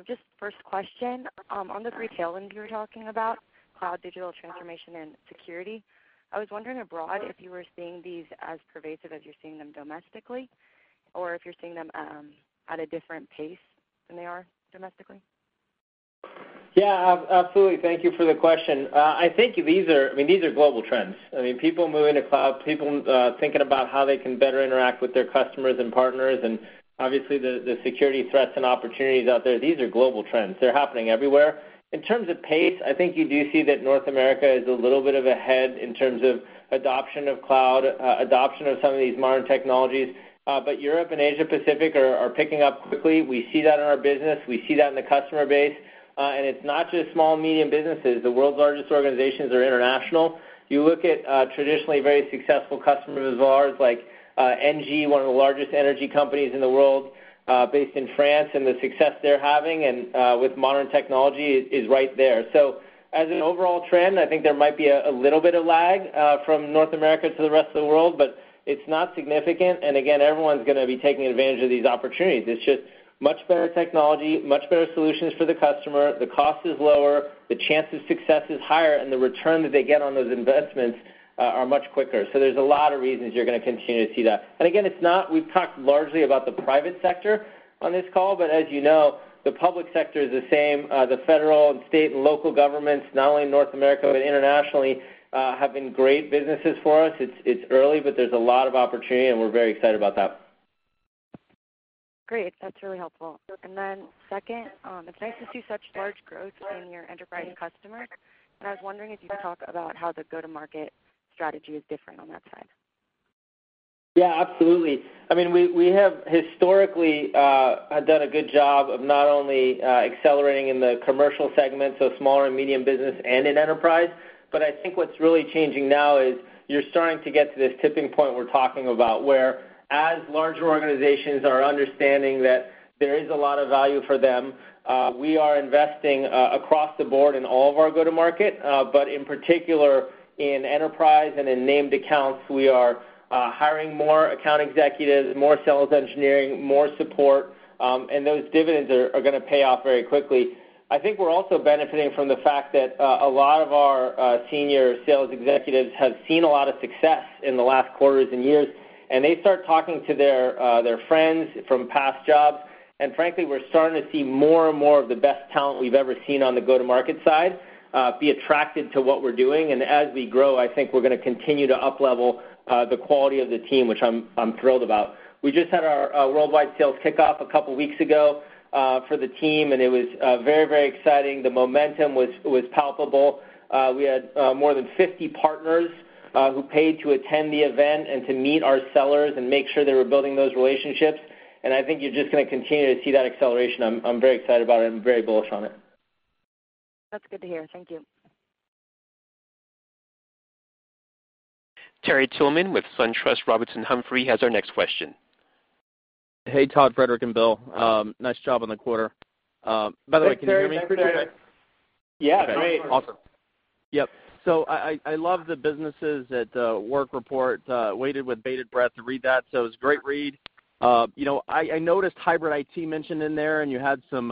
Just first question, on the three tailwinds you were talking about, cloud digital transformation and security, I was wondering abroad, if you were seeing these as pervasive as you're seeing them domestically, or if you're seeing them at a different pace than they are domestically? Absolutely. Thank you for the question. I think these are global trends. People moving to cloud, people thinking about how they can better interact with their customers and partners, and obviously the security threats and opportunities out there, these are global trends. They're happening everywhere. In terms of pace, I think you do see that North America is a little bit of ahead in terms of adoption of cloud, adoption of some of these modern technologies. Europe and Asia Pacific are picking up quickly. We see that in our business. We see that in the customer base. It's not just small, medium businesses. The world's largest organizations are international. You look at traditionally very successful customers of ours like ENGIE, one of the largest energy companies in the world, based in France, and the success they're having, and with modern technology is right there. As an overall trend, I think there might be a little bit of lag from North America to the rest of the world, but it's not significant. Again, everyone's going to be taking advantage of these opportunities. It's just much better technology, much better solutions for the customer. The cost is lower, the chance of success is higher, and the return that they get on those investments are much quicker. There's a lot of reasons you're going to continue to see that. Again, we've talked largely about the private sector on this call, but as you know, the public sector is the same. The federal and state and local governments, not only in North America but internationally, have been great businesses for us. It's early, but there's a lot of opportunity, and we're very excited about that. Great. That's really helpful. Second, it's nice to see such large growth in your enterprise customers. I was wondering if you could talk about how the go-to-market strategy is different on that side. Absolutely. We have historically done a good job of not only accelerating in the commercial segment, so smaller and medium business and in enterprise, but I think what's really changing now is you're starting to get to this tipping point we're talking about where as larger organizations are understanding that there is a lot of value for them, we are investing across the board in all of our go-to-market. In particular in enterprise and in named accounts, we are hiring more account executives, more sales engineering, more support, and those dividends are going to pay off very quickly. I think we're also benefiting from the fact that a lot of our senior sales executives have seen a lot of success in the last quarters and years, and they start talking to their friends from past jobs. Frankly, we're starting to see more and more of the best talent we've ever seen on the go-to-market side be attracted to what we're doing. As we grow, I think we're going to continue to up-level the quality of the team, which I'm thrilled about. We just had our worldwide sales kickoff a couple of weeks ago for the team, it was very exciting. The momentum was palpable. We had more than 50 partners who paid to attend the event and to meet our sellers and make sure they were building those relationships. I think you're just going to continue to see that acceleration. I'm very excited about it. I'm very bullish on it. That's good to hear. Thank you. Terry Tillman with SunTrust Robinson Humphrey has our next question. Hey, Todd, Frederic, and Bill. Nice job on the quarter. By the way, can you hear me pretty okay? Yeah. Great. Awesome. Yep. I love the Businesses at Work report. Waited with bated breath to read that. It was a great read. I noticed hybrid IT mentioned in there, and you had some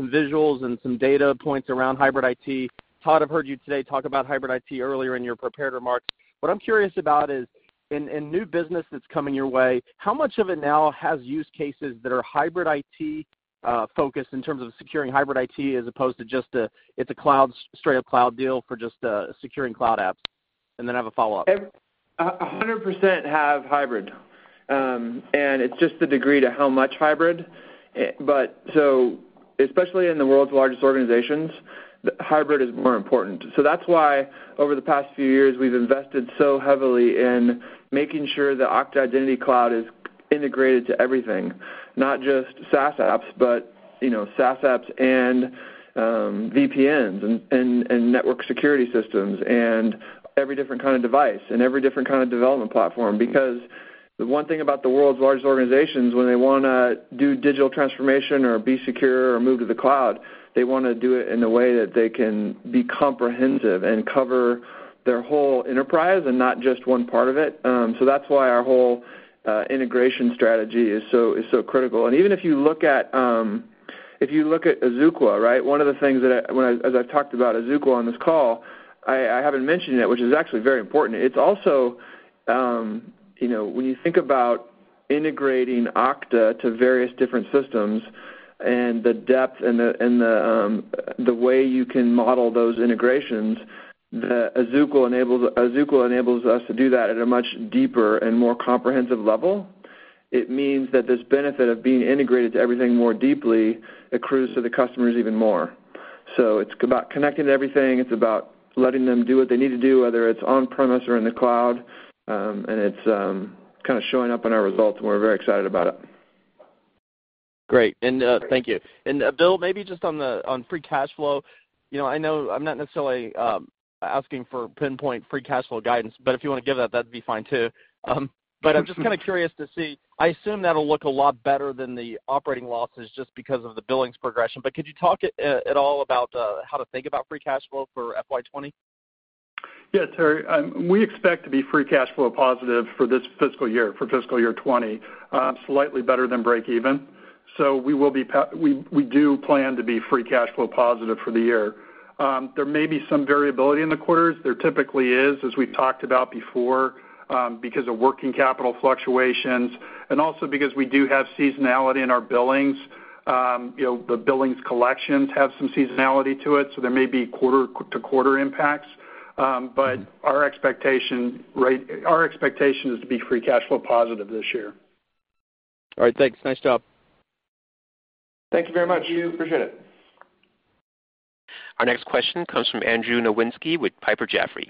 visuals and some data points around hybrid IT. Todd, I've heard you today talk about hybrid IT earlier in your prepared remarks. What I'm curious about is in new business that's coming your way, how much of it now has use cases that are hybrid IT-focused in terms of securing hybrid IT as opposed to just a straight-up cloud deal for just securing cloud apps? And then I have a follow-up. 100% have hybrid. It's just the degree to how much hybrid. Especially in the world's largest organizations, hybrid is more important. That's why over the past few years, we've invested so heavily in making sure the Okta Identity Cloud is integrated to everything, not just SaaS apps, but SaaS apps and VPNs and network security systems and every different kind of device and every different kind of development platform. Because the one thing about the world's largest organizations, when they want to do digital transformation or be secure or move to the cloud, they want to do it in a way that they can be comprehensive and cover their whole enterprise and not just one part of it. That's why our whole integration strategy is so critical. Even if you look at Azuqua, one of the things that as I've talked about Azuqua on this call, I haven't mentioned yet, which is actually very important. It's also when you think about integrating Okta to various different systems and the depth and the way you can model those integrations, Azuqua enables us to do that at a much deeper and more comprehensive level. It means that this benefit of being integrated to everything more deeply accrues to the customers even more. It's about connecting everything. It's about letting them do what they need to do, whether it's on-premise or in the cloud, and it's kind of showing up in our results, and we're very excited about it. Great. Thank you. Bill, maybe just on free cash flow. I know I'm not necessarily asking for pinpoint free cash flow guidance, if you want to give that'd be fine too. I'm just curious to see, I assume that'll look a lot better than the operating losses just because of the billings progression. Could you talk at all about how to think about free cash flow for FY 2020? Terry, we expect to be free cash flow positive for this fiscal year, for fiscal year 2020, slightly better than break even. We do plan to be free cash flow positive for the year. There may be some variability in the quarters. There typically is, as we've talked about before, because of working capital fluctuations and also because we do have seasonality in our billings. The billings collections have some seasonality to it, so there may be quarter-to-quarter impacts. Our expectation is to be free cash flow positive this year. All right, thanks. Nice job. Thank you very much. Appreciate it. Our next question comes from Andrew Nowinski with Piper Jaffray.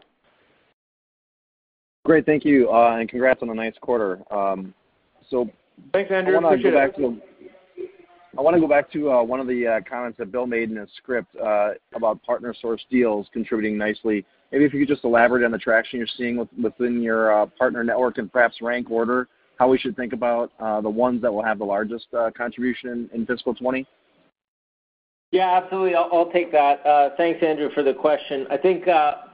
Great, thank you. Congrats on a nice quarter. Thanks, Andrew, appreciate it. I want to go back to one of the comments that Bill made in his script, about partner-sourced deals contributing nicely. Maybe if you could just elaborate on the traction you're seeing within your partner network and perhaps rank order how we should think about the ones that will have the largest contribution in fiscal 2020. Yeah, absolutely. I'll take that. Thanks, Andrew, for the question. I think,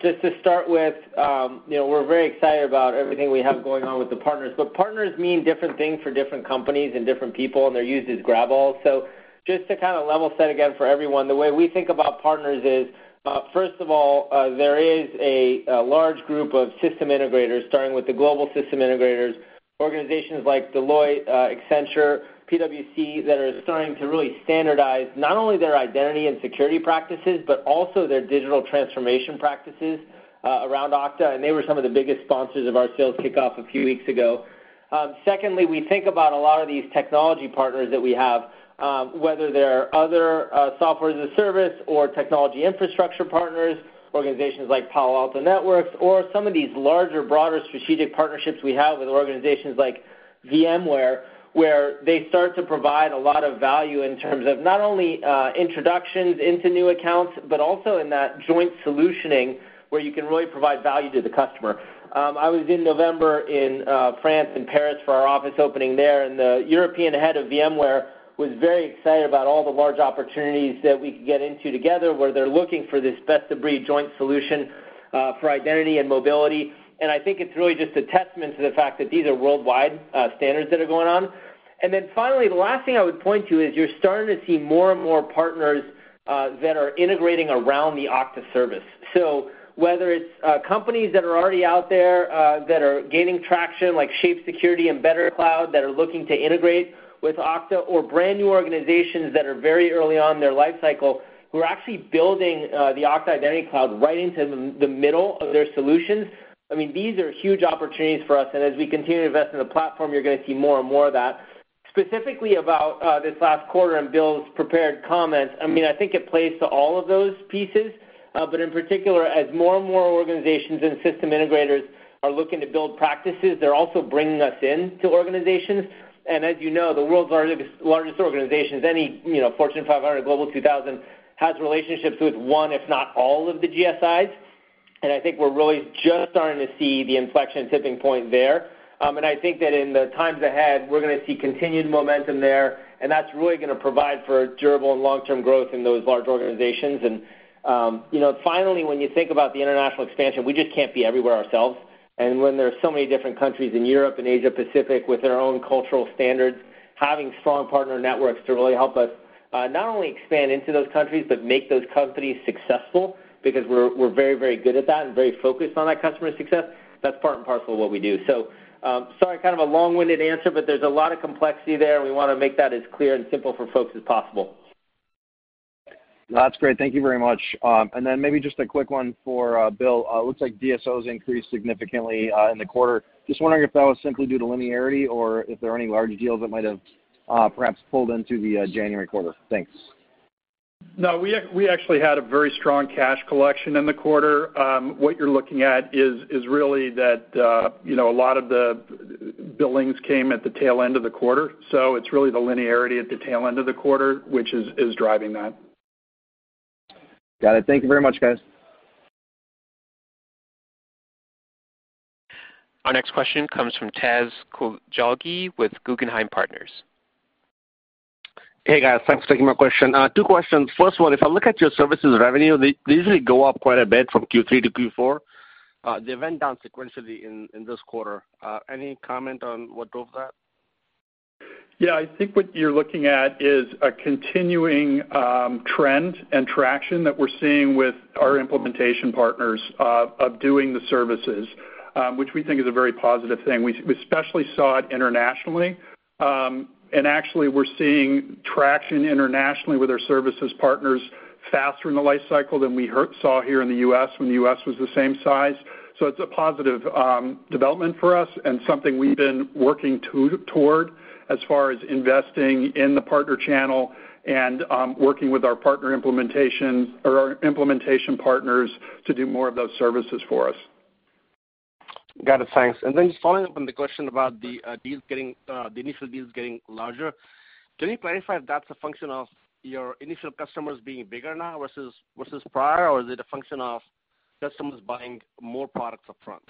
just to start with, we're very excited about everything we have going on with the partners. Partners mean different things for different companies and different people, and they're used as grab-all. Just to kind of level set again for everyone, the way we think about partners is, first of all, there is a large group of system integrators starting with the Global System Integrators, organizations like Deloitte, Accenture, PwC, that are starting to really standardize not only their identity and security practices, but also their digital transformation practices around Okta, and they were some of the biggest sponsors of our sales kickoff a few weeks ago. Secondly, we think about a lot of these technology partners that we have, whether they're other software as a service or technology infrastructure partners, organizations like Palo Alto Networks, or some of these larger, broader strategic partnerships we have with organizations like VMware, where they start to provide a lot of value in terms of not only introductions into new accounts, but also in that joint solutioning where you can really provide value to the customer. I was in November in France, in Paris for our office opening there, and the European head of VMware was very excited about all the large opportunities that we could get into together, where they're looking for this best-of-breed joint solution for identity and mobility. I think it's really just a testament to the fact that these are worldwide standards that are going on. Finally, the last thing I would point to is you're starting to see more and more partners that are integrating around the Okta service. Whether it's companies that are already out there that are gaining traction, like Shape Security and BetterCloud, that are looking to integrate with Okta or brand-new organizations that are very early on in their life cycle, who are actually building the Okta Identity Cloud right into the middle of their solutions. These are huge opportunities for us, and as we continue to invest in the platform, you're going to see more and more of that. Specifically about this last quarter and Bill's prepared comments, I think it plays to all of those pieces, but in particular, as more and more organizations and system integrators are looking to build practices, they're also bringing us in to organizations. As you know, the world's largest organizations, any Fortune 500, Global 2000, has relationships with one, if not all of the GSIs. I think we're really just starting to see the inflection tipping point there. I think that in the times ahead, we're going to see continued momentum there, and that's really going to provide for durable and long-term growth in those large organizations. Finally, when you think about the international expansion, we just can't be everywhere ourselves. When there are so many different countries in Europe and Asia-Pacific with their own cultural standards, having strong partner networks to really help us not only expand into those countries but make those companies successful because we're very good at that and very focused on that customer success, that's part and parcel of what we do. Sorry, kind of a long-winded answer, there's a lot of complexity there, and we want to make that as clear and simple for folks as possible. That's great. Thank you very much. Maybe just a quick one for Bill. Looks like DSOs increased significantly in the quarter. Just wondering if that was simply due to linearity or if there are any large deals that might have perhaps pulled into the January quarter. Thanks. No, we actually had a very strong cash collection in the quarter. What you're looking at is really that a lot of the billings came at the tail end of the quarter. It's really the linearity at the tail end of the quarter, which is driving that. Got it. Thank you very much, guys. Our next question comes from Imtiaz Koujalgi with Guggenheim Partners. Hey, guys. Thanks for taking my question. Two questions. First one, if I look at your services revenue, they usually go up quite a bit from Q3 to Q4. They went down sequentially in this quarter. Any comment on what drove that? Yeah, I think what you're looking at is a continuing trend and traction that we're seeing with our implementation partners of doing the services, which we think is a very positive thing. We especially saw it internationally. Actually, we're seeing traction internationally with our services partners faster in the life cycle than we saw here in the U.S. when the U.S. was the same size. It's a positive development for us and something we've been working toward as far as investing in the partner channel and working with our partner implementation or our implementation partners to do more of those services for us. Got it. Thanks. Then just following up on the question about the initial deals getting larger, can you clarify if that's a function of your initial customers being bigger now versus prior, or is it a function of customers buying more products up front?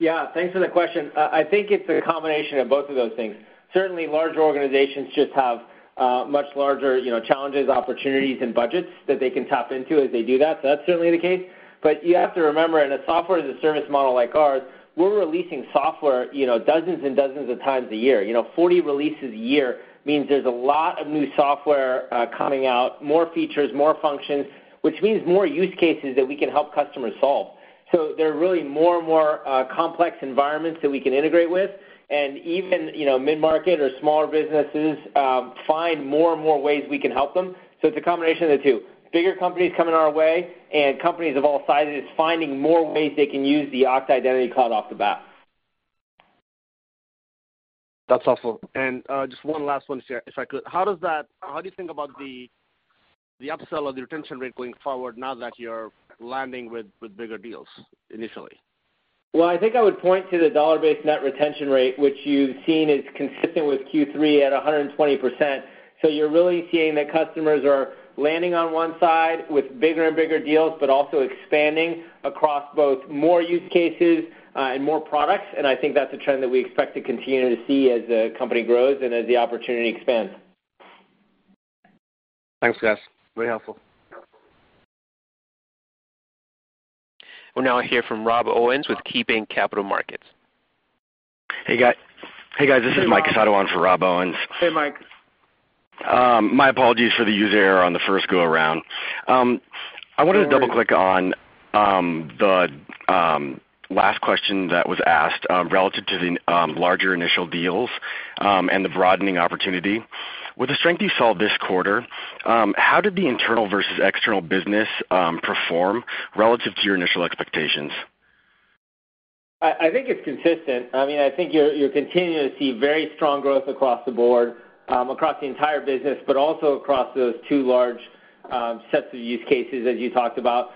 Thanks for the question. I think it's a combination of both of those things. Certainly, larger organizations just have much larger challenges, opportunities, and budgets that they can tap into as they do that. That's certainly the case. You have to remember, in a software as a service model like ours, we're releasing software dozens and dozens of times a year. 40 releases a year means there's a lot of new software coming out, more features, more functions, which means more use cases that we can help customers solve. There are really more and more complex environments that we can integrate with, and even mid-market or smaller businesses find more and more ways we can help them. It's a combination of the two. Bigger companies coming our way, and companies of all sizes finding more ways they can use the Okta Identity Cloud off the bat. That's helpful. Just one last one, sir, if I could. How do you think about the upsell or the retention rate going forward now that you're landing with bigger deals initially? I think I would point to the dollar-based net retention rate, which you've seen is consistent with Q3 at 120%. You're really seeing that customers are landing on one side with bigger and bigger deals, but also expanding across both more use cases and more products. I think that's a trend that we expect to continue to see as the company grows and as the opportunity expands. Thanks, guys. Very helpful. We'll now hear from Rob Owens with KeyBanc Capital Markets. Hey, guys. This is Mike Kossow on for Rob Owens. Hey, Mike. My apologies for the user error on the first go-around. No worries. I wanted to double-click on the last question that was asked relative to the larger initial deals and the broadening opportunity. With the strength you saw this quarter, how did the internal versus external business perform relative to your initial expectations? I think it's consistent. I think you're continuing to see very strong growth across the board, across the entire business, but also across those two large sets of use cases as you talked about.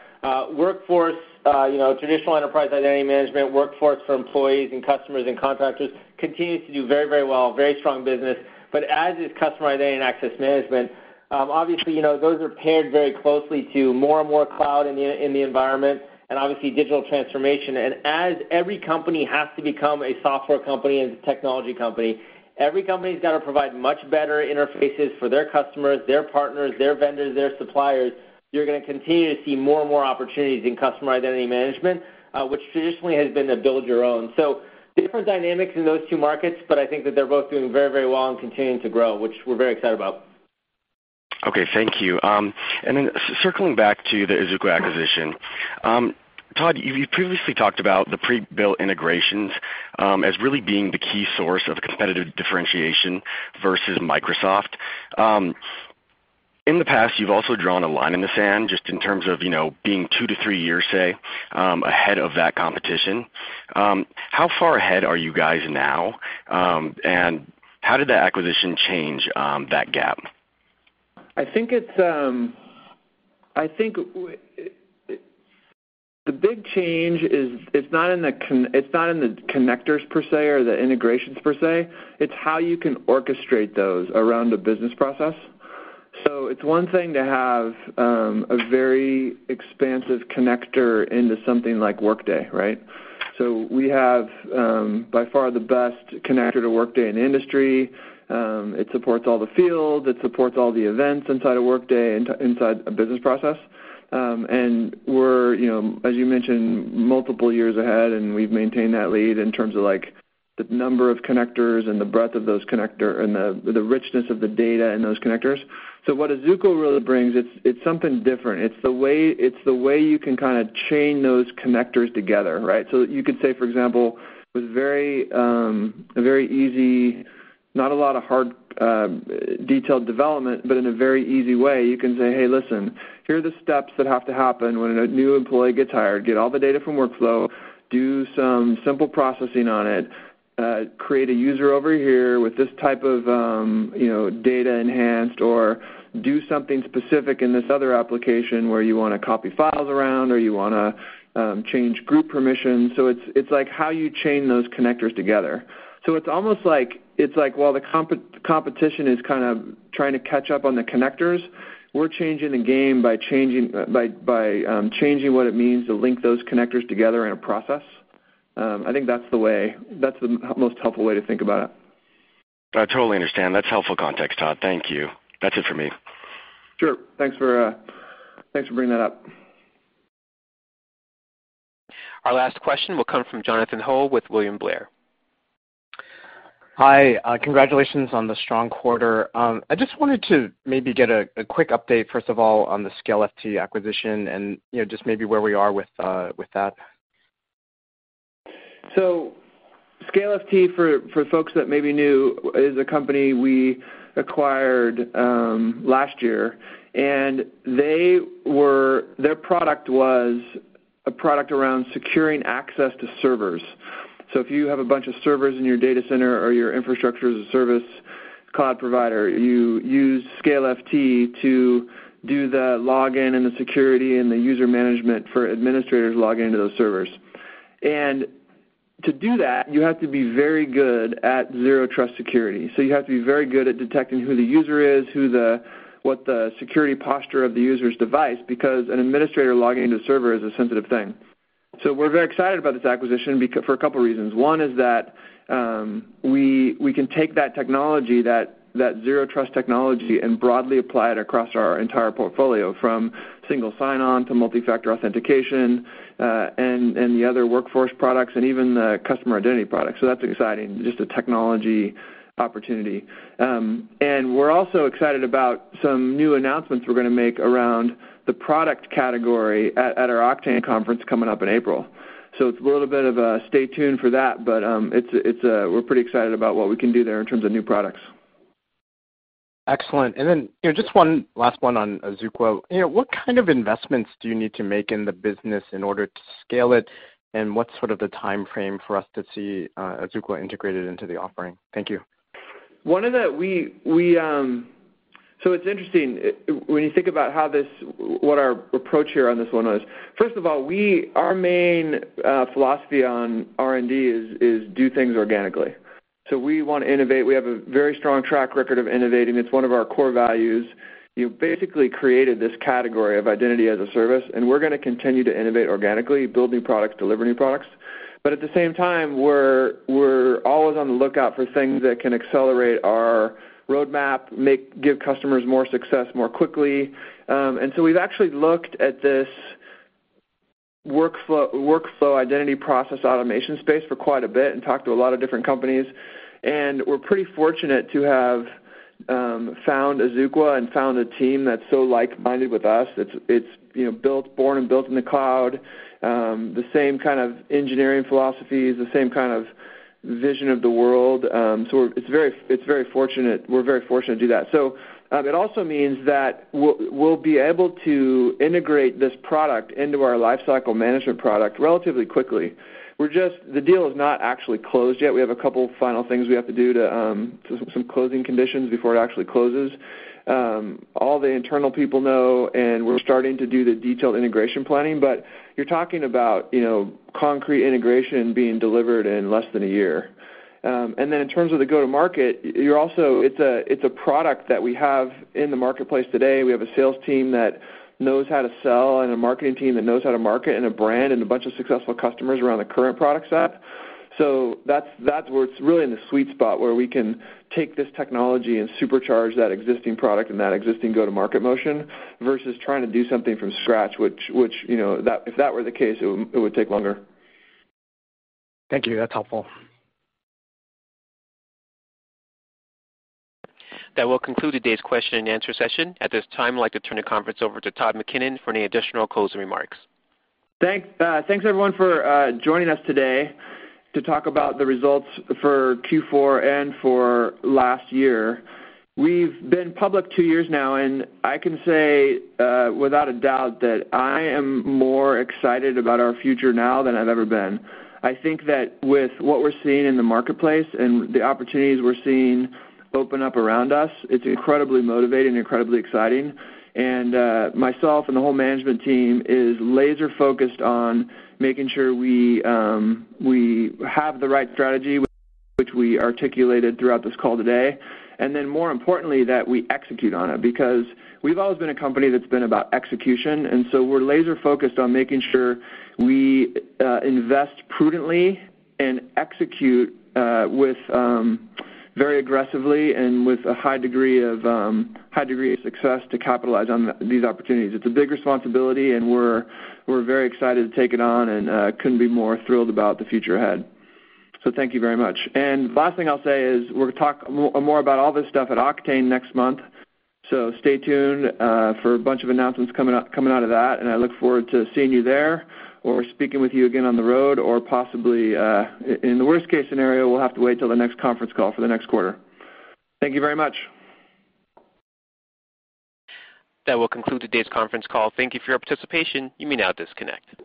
Traditional enterprise identity management, workforce for employees and customers and contractors continues to do very well, very strong business. As is customer identity and access management, obviously, those are paired very closely to more and more cloud in the environment and obviously digital transformation. As every company has to become a software company and a technology company, every company's got to provide much better interfaces for their customers, their partners, their vendors, their suppliers. You're going to continue to see more and more opportunities in customer identity management, which traditionally has been a build your own. Different dynamics in those two markets, but I think that they're both doing very well and continuing to grow, which we're very excited about. Okay, thank you. Circling back to the Azuqua acquisition. Todd, you previously talked about the pre-built integrations as really being the key source of competitive differentiation versus Microsoft. In the past, you've also drawn a line in the sand just in terms of being two to three years, say, ahead of that competition. How far ahead are you guys now, and how did the acquisition change that gap? I think the big change is it's not in the connectors per se or the integrations per se. It's how you can orchestrate those around a business process. It's one thing to have a very expansive connector into something like Workday, right? We have by far the best connector to Workday in the industry. It supports all the fields, it supports all the events inside of Workday, inside a business process. We're, as you mentioned, multiple years ahead, and we've maintained that lead in terms of the number of connectors and the breadth of those connectors and the richness of the data in those connectors. What Azuqua really brings, it's something different. It's the way you can kind of chain those connectors together, right? You could say, for example, with a very easy, not a lot of hard, detailed development, but in a very easy way, you can say, "Hey, listen. Here are the steps that have to happen when a new employee gets hired. Get all the data from Workday, do some simple processing on it, create a user over here with this type of data enhanced, or do something specific in this other application where you want to copy files around or you want to change group permissions." It's like how you chain those connectors together. It's almost like while the competition is kind of trying to catch up on the connectors, we're changing the game by changing what it means to link those connectors together in a process. I think that's the most helpful way to think about it. I totally understand. That's helpful context, Todd. Thank you. That's it for me. Sure. Thanks for bringing that up. Our last question will come from Jonathan Ho with William Blair. Hi. Congratulations on the strong quarter. I just wanted to maybe get a quick update, first of all, on the ScaleFT acquisition and just maybe where we are with that. ScaleFT, for folks that may be new, is a company we acquired last year, and their product was a product around securing access to servers. If you have a bunch of servers in your data center or your infrastructure as a service cloud provider, you use ScaleFT to do the login and the security and the user management for administrators logging into those servers. To do that, you have to be very good at zero-trust security. You have to be very good at detecting who the user is, what the security posture of the user's device, because an administrator logging into a server is a sensitive thing. We're very excited about this acquisition for a couple reasons. One is that we can take that technology, that zero trust technology, and broadly apply it across our entire portfolio, from Single Sign-On to Multi-Factor Authentication, and the other workforce products, and even the customer identity products. That's exciting, just a technology opportunity. We're also excited about some new announcements we're going to make around the product category at our Oktane conference coming up in April. It's a little bit of a stay tuned for that. We're pretty excited about what we can do there in terms of new products. Excellent. Then just one last one on Azuqua. What kind of investments do you need to make in the business in order to scale it? What's sort of the timeframe for us to see Azuqua integrated into the offering? Thank you. It's interesting when you think about what our approach here on this one was. First of all, our main philosophy on R&D is do things organically. We want to innovate. We have a very strong track record of innovating. It's one of our core values. You basically created this category of identity as a service, we're going to continue to innovate organically, build new products, deliver new products. At the same time, we're always on the lookout for things that can accelerate our roadmap, give customers more success more quickly. We've actually looked at this Workday identity process automation space for quite a bit and talked to a lot of different companies. We're pretty fortunate to have found Azuqua and found a team that's so like-minded with us. It's born and built in the cloud, the same kind of engineering philosophies, the same kind of vision of the world. We're very fortunate to do that. It also means that we'll be able to integrate this product into our Lifecycle Management product relatively quickly. The deal is not actually closed yet. We have a couple final things we have to do, some closing conditions before it actually closes. All the internal people know, we're starting to do the detailed integration planning. You're talking about concrete integration being delivered in less than a year. Then in terms of the go-to-market, it's a product that we have in the marketplace today. We have a sales team that knows how to sell and a marketing team that knows how to market and a brand and a bunch of successful customers around the current product set. That's where it's really in the sweet spot where we can take this technology and supercharge that existing product and that existing go-to-market motion versus trying to do something from scratch, which if that were the case, it would take longer. Thank you. That's helpful. That will conclude today's question and answer session. At this time, I'd like to turn the conference over to Todd McKinnon for any additional closing remarks. Thanks, everyone, for joining us today to talk about the results for Q4 and for last year. We've been public two years now, and I can say without a doubt that I am more excited about our future now than I've ever been. I think that with what we're seeing in the marketplace and the opportunities we're seeing open up around us, it's incredibly motivating and incredibly exciting. Myself and the whole management team is laser-focused on making sure we have the right strategy, which we articulated throughout this call today, more importantly, that we execute on it because we've always been a company that's been about execution. We're laser-focused on making sure we invest prudently and execute very aggressively and with a high degree of success to capitalize on these opportunities. It's a big responsibility, and we're very excited to take it on and couldn't be more thrilled about the future ahead. Thank you very much. Last thing I'll say is we're going to talk more about all this stuff at Oktane next month. Stay tuned for a bunch of announcements coming out of that, and I look forward to seeing you there or speaking with you again on the road or possibly, in the worst-case scenario, we'll have to wait till the next conference call for the next quarter. Thank you very much. That will conclude today's conference call. Thank you for your participation. You may now disconnect.